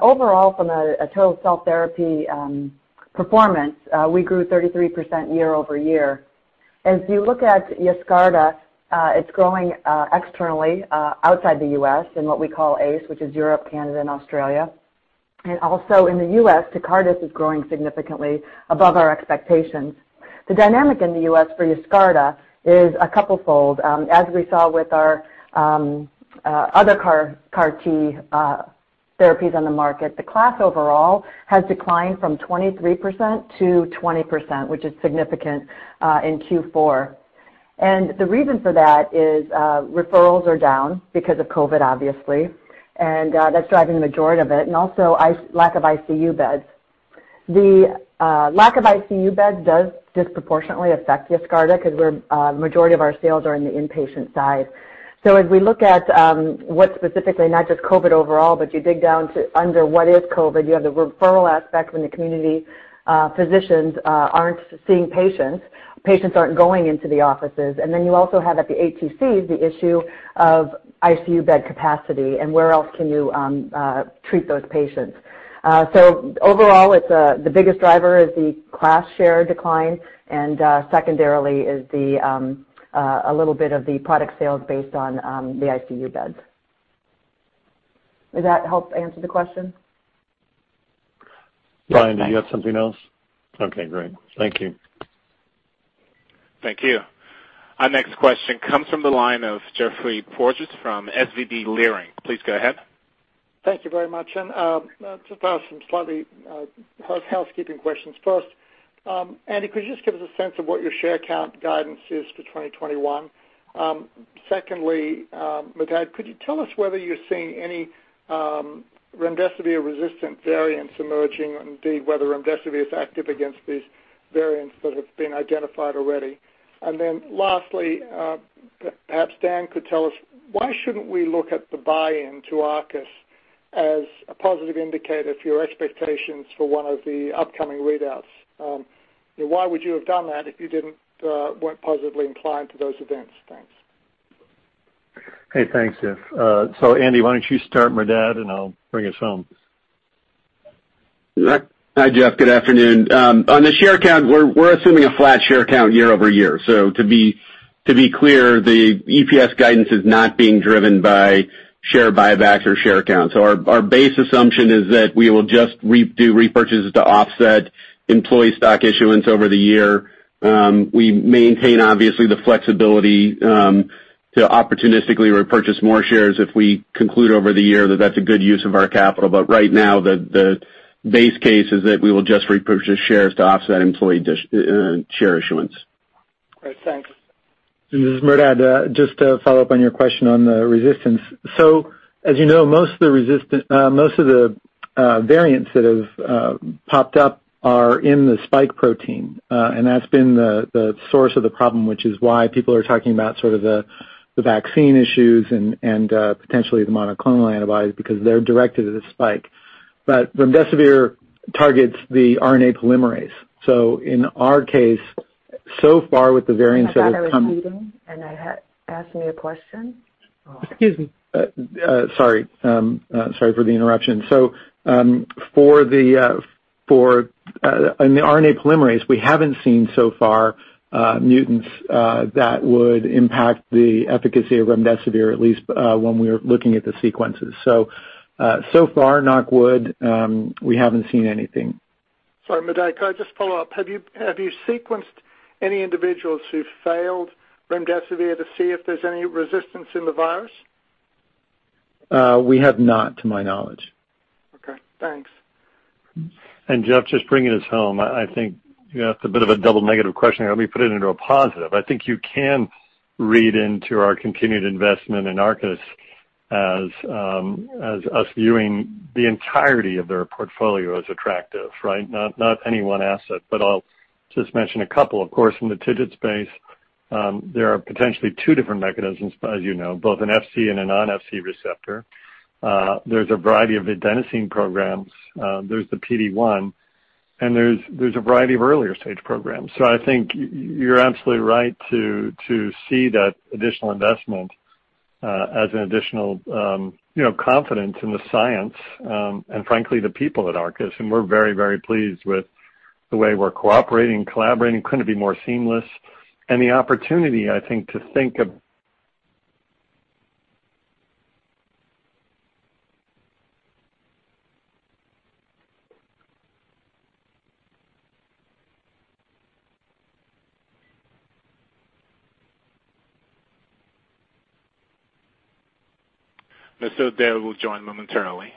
[SPEAKER 11] Overall from a total cell therapy performance, we grew 33% year-over-year. If you look at YESCARTA, it's growing externally outside the U.S. in what we call ACE, which is Europe, Canada, and Australia. Also in the U.S., TECARTUS is growing significantly above our expectations. The dynamic in the U.S. for YESCARTA is a couple fold. As we saw with our other CAR T therapies on the market, the class overall has declined from 23% to 20%, which is significant, in Q4. The reason for that is referrals are down because of COVID, obviously, and that's driving the majority of it, and also lack of ICU beds. The lack of ICU beds does disproportionately affect YESCARTA because a majority of our sales are in the inpatient side. As we look at what specifically, not just COVID overall, but you dig down to under what is COVID, you have the referral aspect when the community physicians aren't seeing patients aren't going into the offices. Then you also have at the ACCs, the issue of ICU bed capacity and where else can you treat those patients. Overall, the biggest driver is the class share decline and secondarily is a little bit of the product sales based on the ICU beds. Does that help answer the question?
[SPEAKER 3] Brian, do you have something else? Okay, great. Thank you.
[SPEAKER 1] Thank you. Our next question comes from the line of Geoffrey Porges from SVB Leerink. Please go ahead.
[SPEAKER 12] Thank you very much. Just ask some slightly housekeeping questions first. Andy, could you just give us a sense of what your share count guidance is for 2021? Secondly, Merdad, could you tell us whether you're seeing any remdesivir-resistant variants emerging, indeed, whether remdesivir is active against these variants that have been identified already? Lastly, perhaps Dan could tell us why shouldn't we look at the buy-in to Arcus as a positive indicator for your expectations for one of the upcoming readouts? Why would you have done that if you weren't positively inclined to those events? Thanks.
[SPEAKER 3] Hey, thanks, Geoff. Andy, why don't you start Merdad, and I'll bring us home.
[SPEAKER 4] Hi, Geoff. Good afternoon. On the share count, we're assuming a flat share-over-year share count. To be clear, the EPS guidance is not being driven by share buybacks or share count. Our base assumption is that we will just do repurchases to offset employee stock issuance over the year. We maintain, obviously, the flexibility to opportunistically repurchase more shares if we conclude over the year that that's a good use of our capital. Right now, the base case is that we will just repurchase shares to offset employee share issuance.
[SPEAKER 12] Great. Thanks.
[SPEAKER 6] This is Merdad. Just to follow up on your question on the resistance. As you know, most of the variants that have popped up are in the spike protein, and that's been the source of the problem, which is why people are talking about sort of the vaccine issues and potentially the monoclonal antibodies because they're directed at a spike. Remdesivir targets the RNA polymerase. In our case, so far with the variants that have come-
[SPEAKER 5] I thought I was muted, and they asked me a question? Oh.
[SPEAKER 12] Excuse me.
[SPEAKER 6] Sorry for the interruption. In the RNA polymerase, we haven't seen so far mutants that would impact the efficacy of remdesivir, at least when we are looking at the sequences. So far, knock wood, we haven't seen anything.
[SPEAKER 12] Sorry, Merdad, could I just follow up? Have you sequenced any individuals who've failed remdesivir to see if there's any resistance in the virus?
[SPEAKER 6] We have not, to my knowledge.
[SPEAKER 12] Okay, thanks.
[SPEAKER 3] Geoff, just bringing us home, I think that's a bit of a double negative question. Let me put it into a positive. I think you can read into our continued investment in Arcus as us viewing the entirety of their portfolio as attractive, right? Not any one asset, I'll just mention a couple. Of course, in the TIGIT space, there are potentially two different mechanisms, as you know. Both an Fc and a non-Fc receptor. There's a variety of adenosine programs. There's the PD-1, there's a variety of earlier-stage programs. I think you're absolutely right to see that additional investment as an additional confidence in the science, and frankly, the people at Arcus. We're very pleased with the way we're cooperating, collaborating. Couldn't be more seamless.
[SPEAKER 1] Mr. O'Day will join momentarily.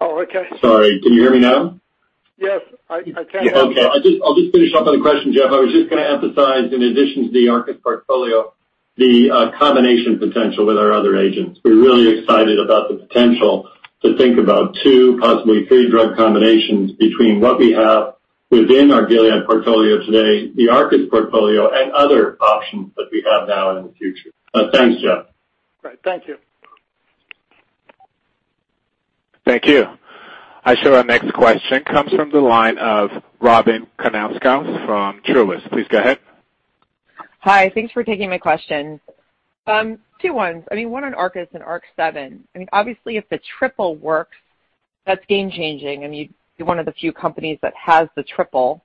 [SPEAKER 12] Oh, okay.
[SPEAKER 3] Sorry. Can you hear me now?
[SPEAKER 12] Yes, I can.
[SPEAKER 3] Okay. I'll just finish up on the question, Geoff. I was just going to emphasize, in addition to the Arcus portfolio, the combination potential with our other agents. We're really excited about the potential to think about two, possibly three-drug combinations between what we have within our Gilead portfolio today, the Arcus portfolio, and other options that we have now and in the future. Thanks, Geoff.
[SPEAKER 12] Great. Thank you.
[SPEAKER 1] Thank you. I show our next question comes from the line of Robyn Karnauskas from Truist. Please go ahead.
[SPEAKER 13] Hi. Thanks for taking my question. Two ones. One on Arcus and ARC-7. If the triple works, that's game changing, and you're 1 of the few companies that has the triple.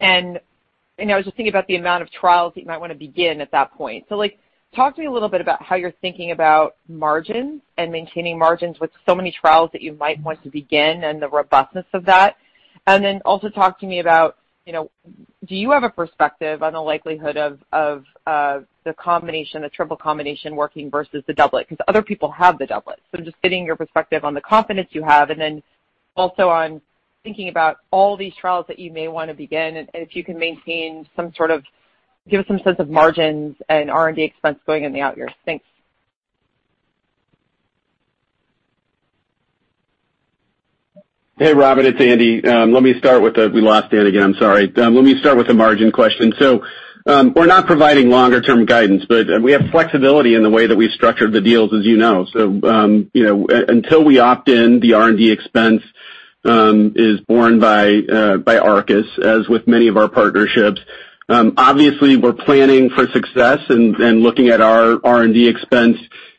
[SPEAKER 13] I was just thinking about the amount of trials that you might want to begin at that point. Talk to me a little bit about how you're thinking about margins and maintaining margins with so many trials that you might want to begin and the robustness of that. Also talk to me about do you have a perspective on the likelihood of the triple combination working versus the doublet? Other people have the doublet. Just getting your perspective on the confidence you have and then also on thinking about all these trials that you may want to begin and if you can give some sense of margins and R&D expense going in the out years. Thanks.
[SPEAKER 4] Hey, Robyn, it's Andy. We lost Dan again. I'm sorry. Let me start with the margin question. We're not providing longer-term guidance, but we have flexibility in the way that we've structured the deals, as you know. Until we opt in, the R&D expense is borne by Arcus, as with many of our partnerships. Obviously, we're planning for success and looking at our R&D expense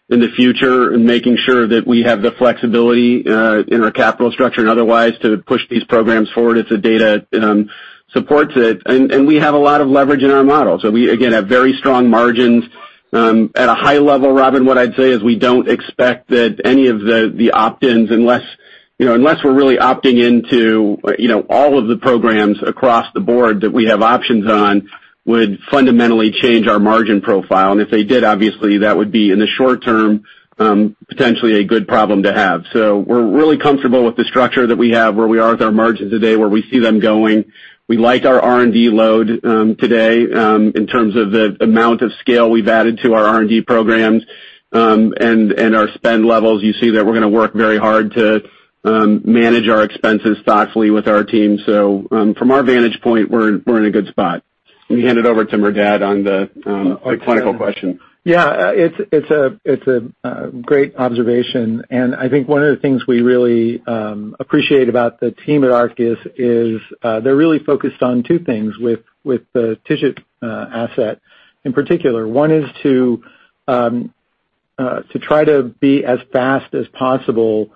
[SPEAKER 4] in the future and making sure that we have the flexibility in our capital structure and otherwise to push these programs forward if the data supports it. We have a lot of leverage in our model. We, again, have very strong margins. At a high level, Robyn, what I'd say is we don't expect that any of the opt-ins, unless we're really opting into all of the programs across the board that we have options on would fundamentally change our margin profile. If they did, obviously that would be, in the short term, potentially a good problem to have. We're really comfortable with the structure that we have, where we are with our margins today, where we see them going. We like our R&D load today, in terms of the amount of scale we've added to our R&D programs, and our spend levels. You see that we're going to work very hard to manage our expenses thoughtfully with our team. From our vantage point, we're in a good spot. Let me hand it over to Merdad on the clinical question.
[SPEAKER 6] Yeah. It's a great observation. I think one of the things we really appreciate about the team at Arcus is they're really focused on two things with the TIGIT asset. In particular, one is to try to be as fast as possible,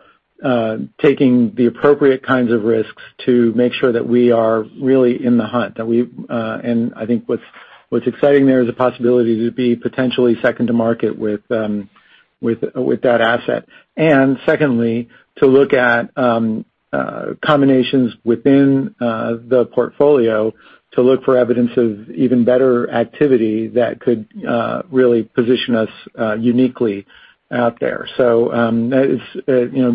[SPEAKER 6] taking the appropriate kinds of risks to make sure that we are really in the hunt. I think what's exciting there is a possibility to be potentially second to market with that asset. Secondly, to look at combinations within the portfolio to look for evidence of even better activity that could really position us uniquely out there.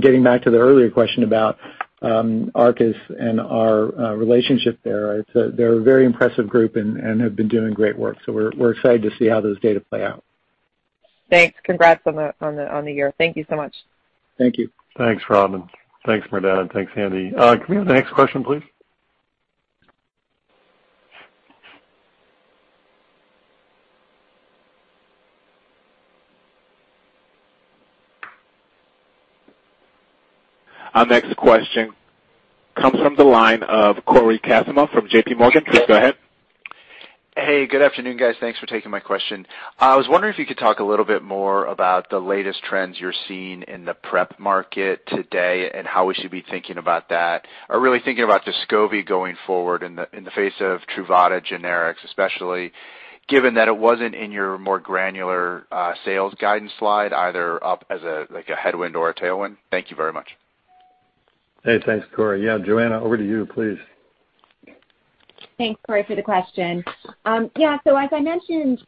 [SPEAKER 6] Getting back to the earlier question about Arcus and our relationship there, they're a very impressive group and have been doing great work. We're excited to see how those data play out.
[SPEAKER 13] Thanks. Congrats on the year. Thank you so much.
[SPEAKER 6] Thank you.
[SPEAKER 3] Thanks, Robyn. Thanks, Merdad. Thanks, Andy. Can we have the next question, please?
[SPEAKER 1] Our next question comes from the line of Cory Kasimov from JPMorgan. Please go ahead.
[SPEAKER 14] Hey, good afternoon, guys. Thanks for taking my question. I was wondering if you could talk a little bit more about the latest trends you're seeing in the PrEP market today and how we should be thinking about that, or really thinking about DESCOVY going forward in the face of TRUVADA generics, especially given that it wasn't in your more granular sales guidance slide, either up as a headwind or a tailwind. Thank you very much.
[SPEAKER 3] Hey, thanks, Cory. Yeah, Johanna, over to you please.
[SPEAKER 5] Thanks, Cory, for the question. As I mentioned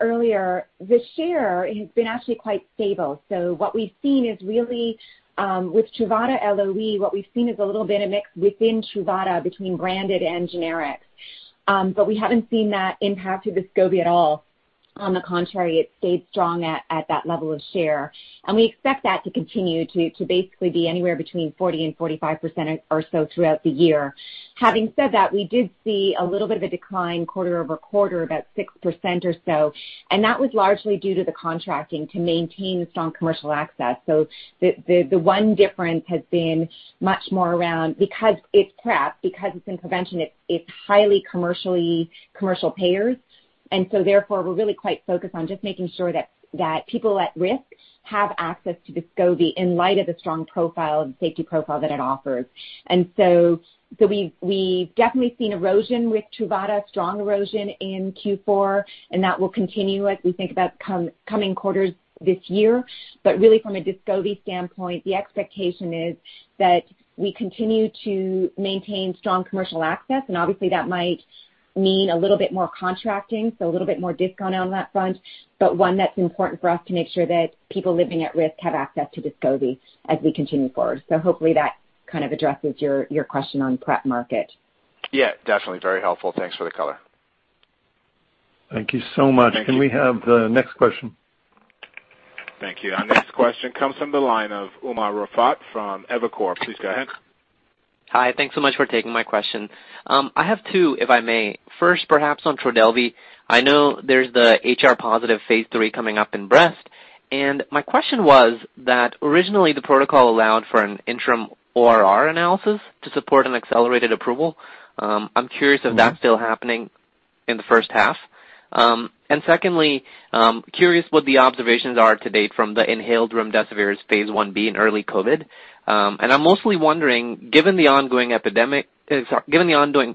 [SPEAKER 5] earlier, the share has been actually quite stable. What we've seen is really with TRUVADA LOE, what we've seen is a little bit of mix within TRUVADA between branded and generics. We haven't seen that impact DESCOVY at all. On the contrary, it stayed strong at that level of share. We expect that to continue to basically be anywhere between 40%-45% or so throughout the year. Having said that, we did see a little bit of a decline quarter-over-quarter, about 6% or so, and that was largely due to the contracting to maintain the strong commercial access. The one difference has been much more around because it's PrEP, because it's in prevention, it's highly commercial payers. Therefore, we're really quite focused on just making sure that people at risk have access to DESCOVY in light of the strong profile and safety profile that it offers. We've definitely seen erosion with TRUVADA, strong erosion in Q4, and that will continue as we think about coming quarters this year. Really from a DESCOVY standpoint, the expectation is that we continue to maintain strong commercial access, and obviously that might mean a little bit more contracting, so a little bit more discount on that front, but one that's important for us to make sure that people living at risk have access to DESCOVY as we continue forward. Hopefully that kind of addresses your question on PrEP market.
[SPEAKER 14] Yeah, definitely. Very helpful. Thanks for the color.
[SPEAKER 3] Thank you so much.
[SPEAKER 14] Thank you.
[SPEAKER 3] Can we have the next question?
[SPEAKER 1] Thank you. Our next question comes from the line of Umer Raffat from Evercore. Please go ahead.
[SPEAKER 15] Hi. Thanks so much for taking my question. I have two, if I may. First, perhaps on TRODELVY. I know there's the HR-positive phase III coming up in breast, and my question was that originally the protocol allowed for an interim ORR analysis to support an accelerated approval. I'm curious if that's still happening in the first half. Secondly, curious what the observations are to date from the inhaled remdesivir's phase I-B in early COVID. I'm mostly wondering, given the ongoing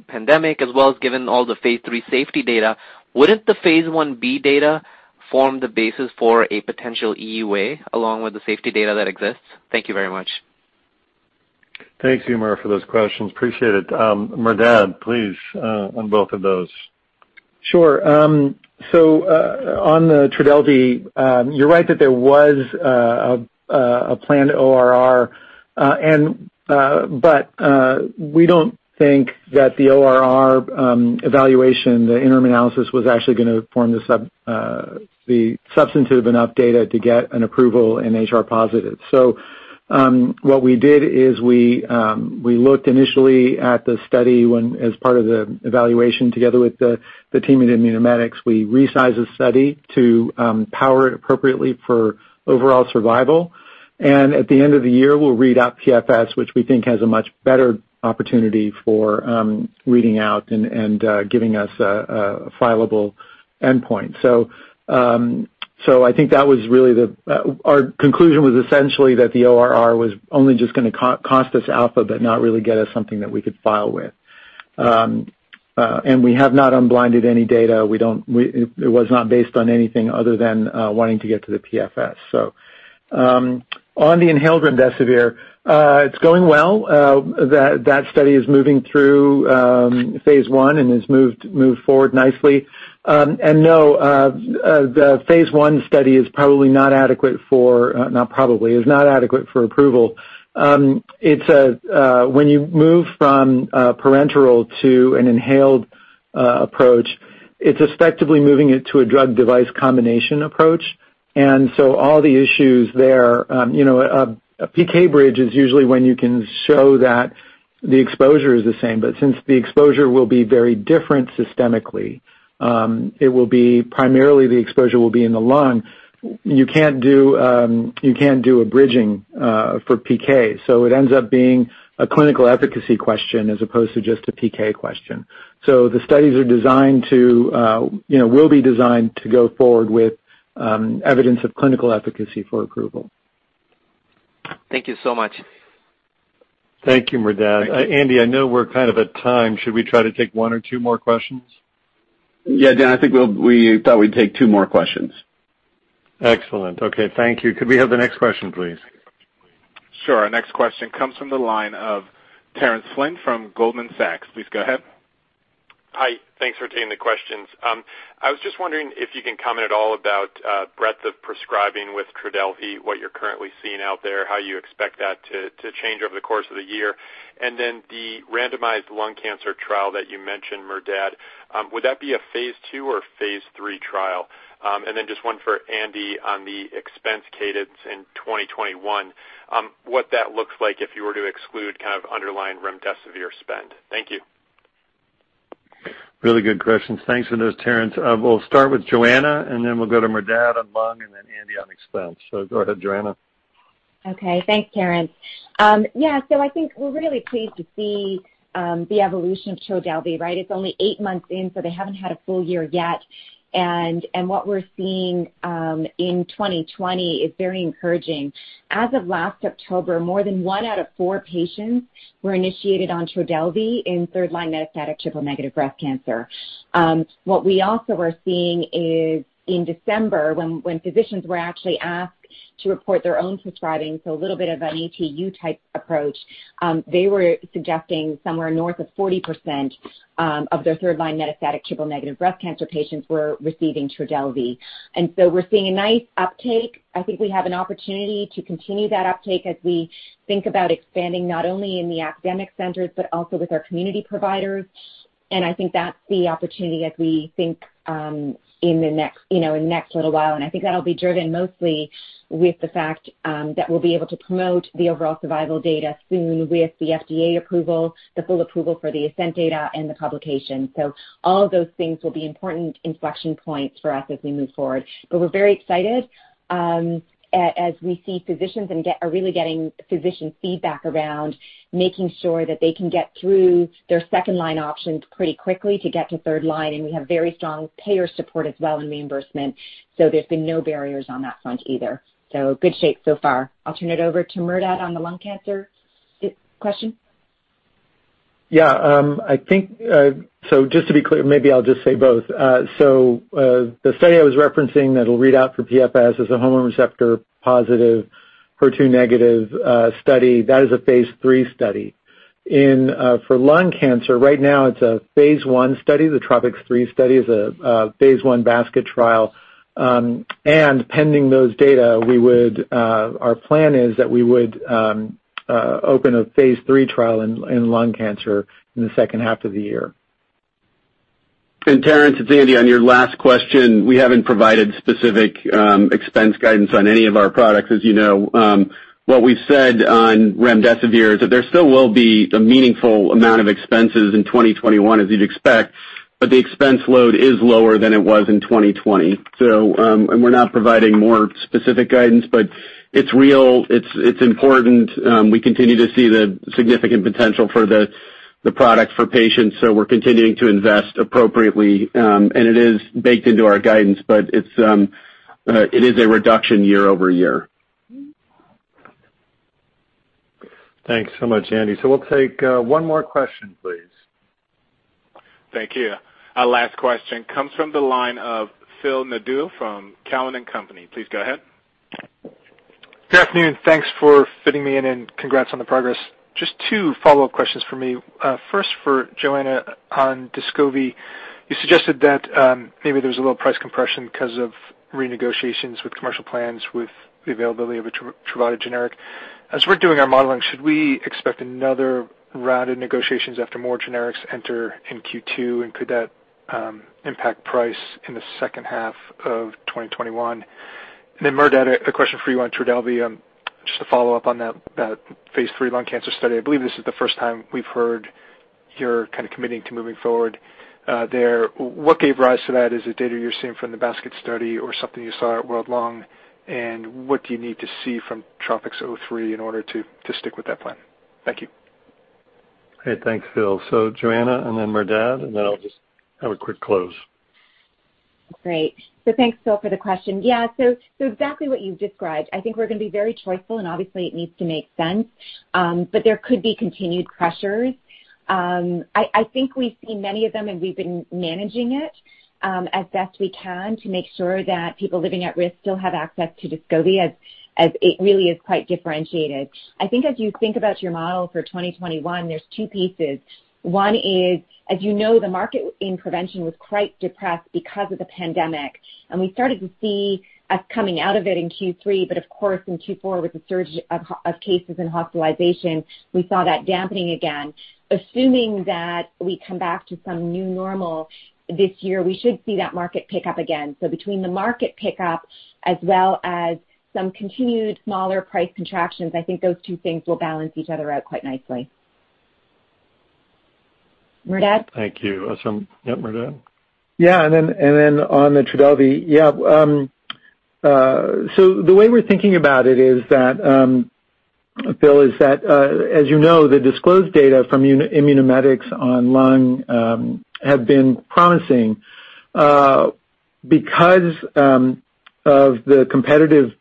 [SPEAKER 15] pandemic as well as given all the phase III safety data, wouldn't the phase I-B data form the basis for a potential EUA along with the safety data that exists? Thank you very much.
[SPEAKER 3] Thanks, Umer, for those questions. Appreciate it. Merdad, please, on both of those.
[SPEAKER 6] Sure. On the TRODELVY, you're right that there was a planned ORR, but we don't think that the ORR evaluation, the interim analysis, was actually going to form the substantive enough data to get an approval in HR positive. What we did is we looked initially at the study as part of the evaluation together with the team at Immunomedics. We resized the study to power it appropriately for overall survival. At the end of the year, we'll read out PFS, which we think has a much better opportunity for reading out and giving us a fileable endpoint. I think our conclusion was essentially that the ORR was only just going to cost us alpha but not really get us something that we could file with. We have not unblinded any data. It was not based on anything other than wanting to get to the PFS. On the inhaled remdesivir, it's going well. That study is moving through phase I and has moved forward nicely. No, the phase I study is not adequate for approval. When you move from parenteral to an inhaled approach, it's effectively moving it to a drug device combination approach. All the issues there, a PK bridge is usually when you can show that the exposure is the same, but since the exposure will be very different systemically, primarily the exposure will be in the lung. You can't do a bridging for PK. It ends up being a clinical efficacy question as opposed to just a PK question. The studies will be designed to go forward with evidence of clinical efficacy for approval.
[SPEAKER 15] Thank you so much.
[SPEAKER 3] Thank you, Merdad. Andy, I know we're kind of at time. Should we try to take one or two more questions?
[SPEAKER 4] Dan, I think we thought we'd take two more questions.
[SPEAKER 3] Excellent. Okay. Thank you. Could we have the next question, please?
[SPEAKER 1] Sure. Our next question comes from the line of Terence Flynn from Goldman Sachs. Please go ahead.
[SPEAKER 16] Hi. Thanks for taking the questions. I was just wondering if you can comment at all about breadth of prescribing with TRODELVY, what you're currently seeing out there, how you expect that to change over the course of the year. The randomized lung cancer trial that you mentioned, Merdad, would that be a phase II or a phase III trial? Just one for Andy on the expense cadence in 2021, what that looks like if you were to exclude kind of underlying remdesivir spend. Thank you.
[SPEAKER 3] Really good questions. Thanks for those, Terence. We'll start with Johanna, and then we'll go to Merdad on lung, and then Andy on expense. Go ahead, Johanna.
[SPEAKER 5] Okay. Thanks, Terence. I think we're really pleased to see the evolution of TRODELVY, right? It's only eight months in, they haven't had a full year yet. What we're seeing in 2020 is very encouraging. As of last October, more than one out of four patients were initiated on TRODELVY in third line metastatic triple negative breast cancer. What we also are seeing is in December, when physicians were actually asked to report their own prescribing, a little bit of an ATU type approach, they were suggesting somewhere north of 40% of their third line metastatic triple negative breast cancer patients were receiving TRODELVY. We're seeing a nice uptake. I think we have an opportunity to continue that uptake as we think about expanding not only in the academic centers, but also with our community providers. I think that's the opportunity as we think in the next little while. I think that'll be driven mostly with the fact that we'll be able to promote the overall survival data soon with the FDA approval, the full approval for the ASCENT data and the publication. All of those things will be important inflection points for us as we move forward. We're very excited as we see physicians and are really getting physician feedback around making sure that they can get through their second line options pretty quickly to get to third line. We have very strong payer support as well in reimbursement. There's been no barriers on that front either. Good shape so far. I'll turn it over to Merdad on the lung cancer question.
[SPEAKER 6] Yeah. Just to be clear, maybe I'll just say both. The study I was referencing that'll read out for PFS is a hormone receptor positive, HER2 negative study. That is a phase III study. For lung cancer, right now it's a phase I study. The TROPiCS-03 study is a phase I basket trial. Pending those data, our plan is that we would open a phase III trial in lung cancer in the second half of the year.
[SPEAKER 4] Terence, it's Andy on your last question. We haven't provided specific expense guidance on any of our products. As you know what we've said on remdesivir is that there still will be a meaningful amount of expenses in 2021, as you'd expect, but the expense load is lower than it was in 2020. We're not providing more specific guidance, but it's real. It's important. We continue to see the significant potential for the product for patients. We're continuing to invest appropriately. It is baked into our guidance, but it is a reduction year-over-year.
[SPEAKER 3] Thanks so much, Andy. We'll take one more question, please.
[SPEAKER 1] Thank you. Our last question comes from the line of Phil Nadeau from Cowen & Company. Please go ahead.
[SPEAKER 17] Good afternoon. Thanks for fitting me in, and congrats on the progress. Just two follow-up questions for me. First for Johanna on DESCOVY. You suggested that maybe there's a little price compression because of renegotiations with commercial plans with the availability of a TRUVADA generic. As we're doing our modeling, should we expect another round of negotiations after more generics enter in Q2, and could that impact price in the second half of 2021? Then Merdad, a question for you on TRODELVY. Just to follow up on that phase III lung cancer study. I believe this is the first time we've heard you're kind of committing to moving forward there. What gave rise to that? Is it data you're seeing from the basket study or something you saw at World Lung? What do you need to see from TROPiCS-03 in order to stick with that plan? Thank you.
[SPEAKER 3] Okay. Thanks, Phil. Johanna and then Merdad, and then I'll just have a quick close.
[SPEAKER 5] Great. Thanks, Phil, for the question. Exactly what you've described. I think we're going to be very choiceful, and obviously it needs to make sense. There could be continued pressures. I think we've seen many of them, and we've been managing it as best we can to make sure that people living at risk still have access to DESCOVY, as it really is quite differentiated. I think as you think about your model for 2021, there's two pieces. One is, as you know, the market in prevention was quite depressed because of the pandemic, and we started to see us coming out of it in Q3, but of course, in Q4 with the surge of cases and hospitalizations, we saw that dampening again. Assuming that we come back to some new normal this year, we should see that market pick up again. Between the market pick up as well as some continued smaller price contractions, I think those two things will balance each other out quite nicely. Merdad?
[SPEAKER 3] Thank you. Yeah, Merdad?
[SPEAKER 6] On the TRODELVY. The way we're thinking about it, Phil, is that, as you know, the disclosed data from Immunomedics on lung have been promising. Because of the competitive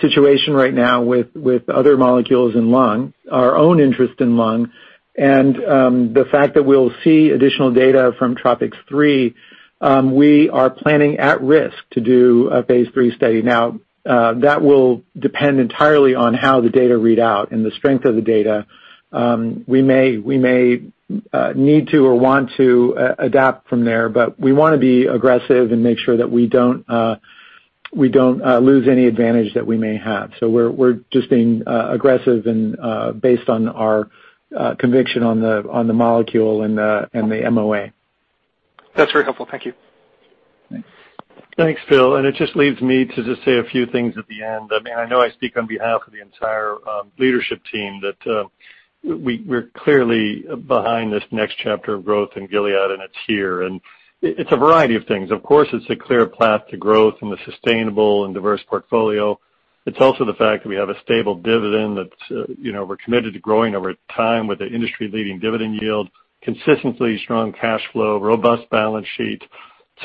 [SPEAKER 6] situation right now with other molecules in lung, our own interest in lung, and the fact that we'll see additional data from TROPiCS-03, we are planning at risk to do a phase III study. That will depend entirely on how the data read out and the strength of the data. We may need to or want to adapt from there, but we want to be aggressive and make sure that we don't lose any advantage that we may have. We're just being aggressive and based on our conviction on the molecule and the MOA.
[SPEAKER 17] That's very helpful. Thank you.
[SPEAKER 3] Thanks, Phil. It just leaves me to just say a few things at the end. I know I speak on behalf of the entire leadership team that we're clearly behind this next chapter of growth in Gilead, and it's here. It's a variety of things. Of course, it's a clear path to growth and a sustainable and diverse portfolio. It's also the fact that we have a stable dividend that we're committed to growing over time with an industry-leading dividend yield, consistently strong cash flow, robust balance sheet.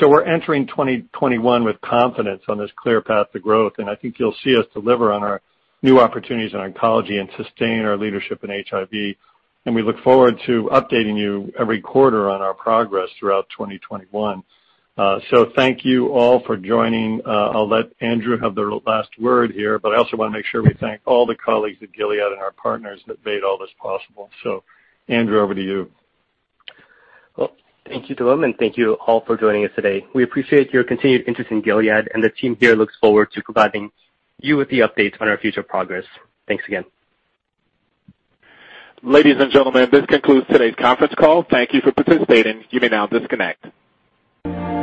[SPEAKER 3] We're entering 2021 with confidence on this clear path to growth, and I think you'll see us deliver on our new opportunities in oncology and sustain our leadership in HIV. We look forward to updating you every quarter on our progress throughout 2021. Thank you all for joining. I'll let Andrew have the last word here, but I also want to make sure we thank all the colleagues at Gilead and our partners that made all this possible. Andrew, over to you.
[SPEAKER 2] Well, thank you, Dan, and thank you all for joining us today. We appreciate your continued interest in Gilead, and the team here looks forward to providing you with the updates on our future progress. Thanks again.
[SPEAKER 1] Ladies and gentlemen, this concludes today's conference call. Thank you for participating. You may now disconnect.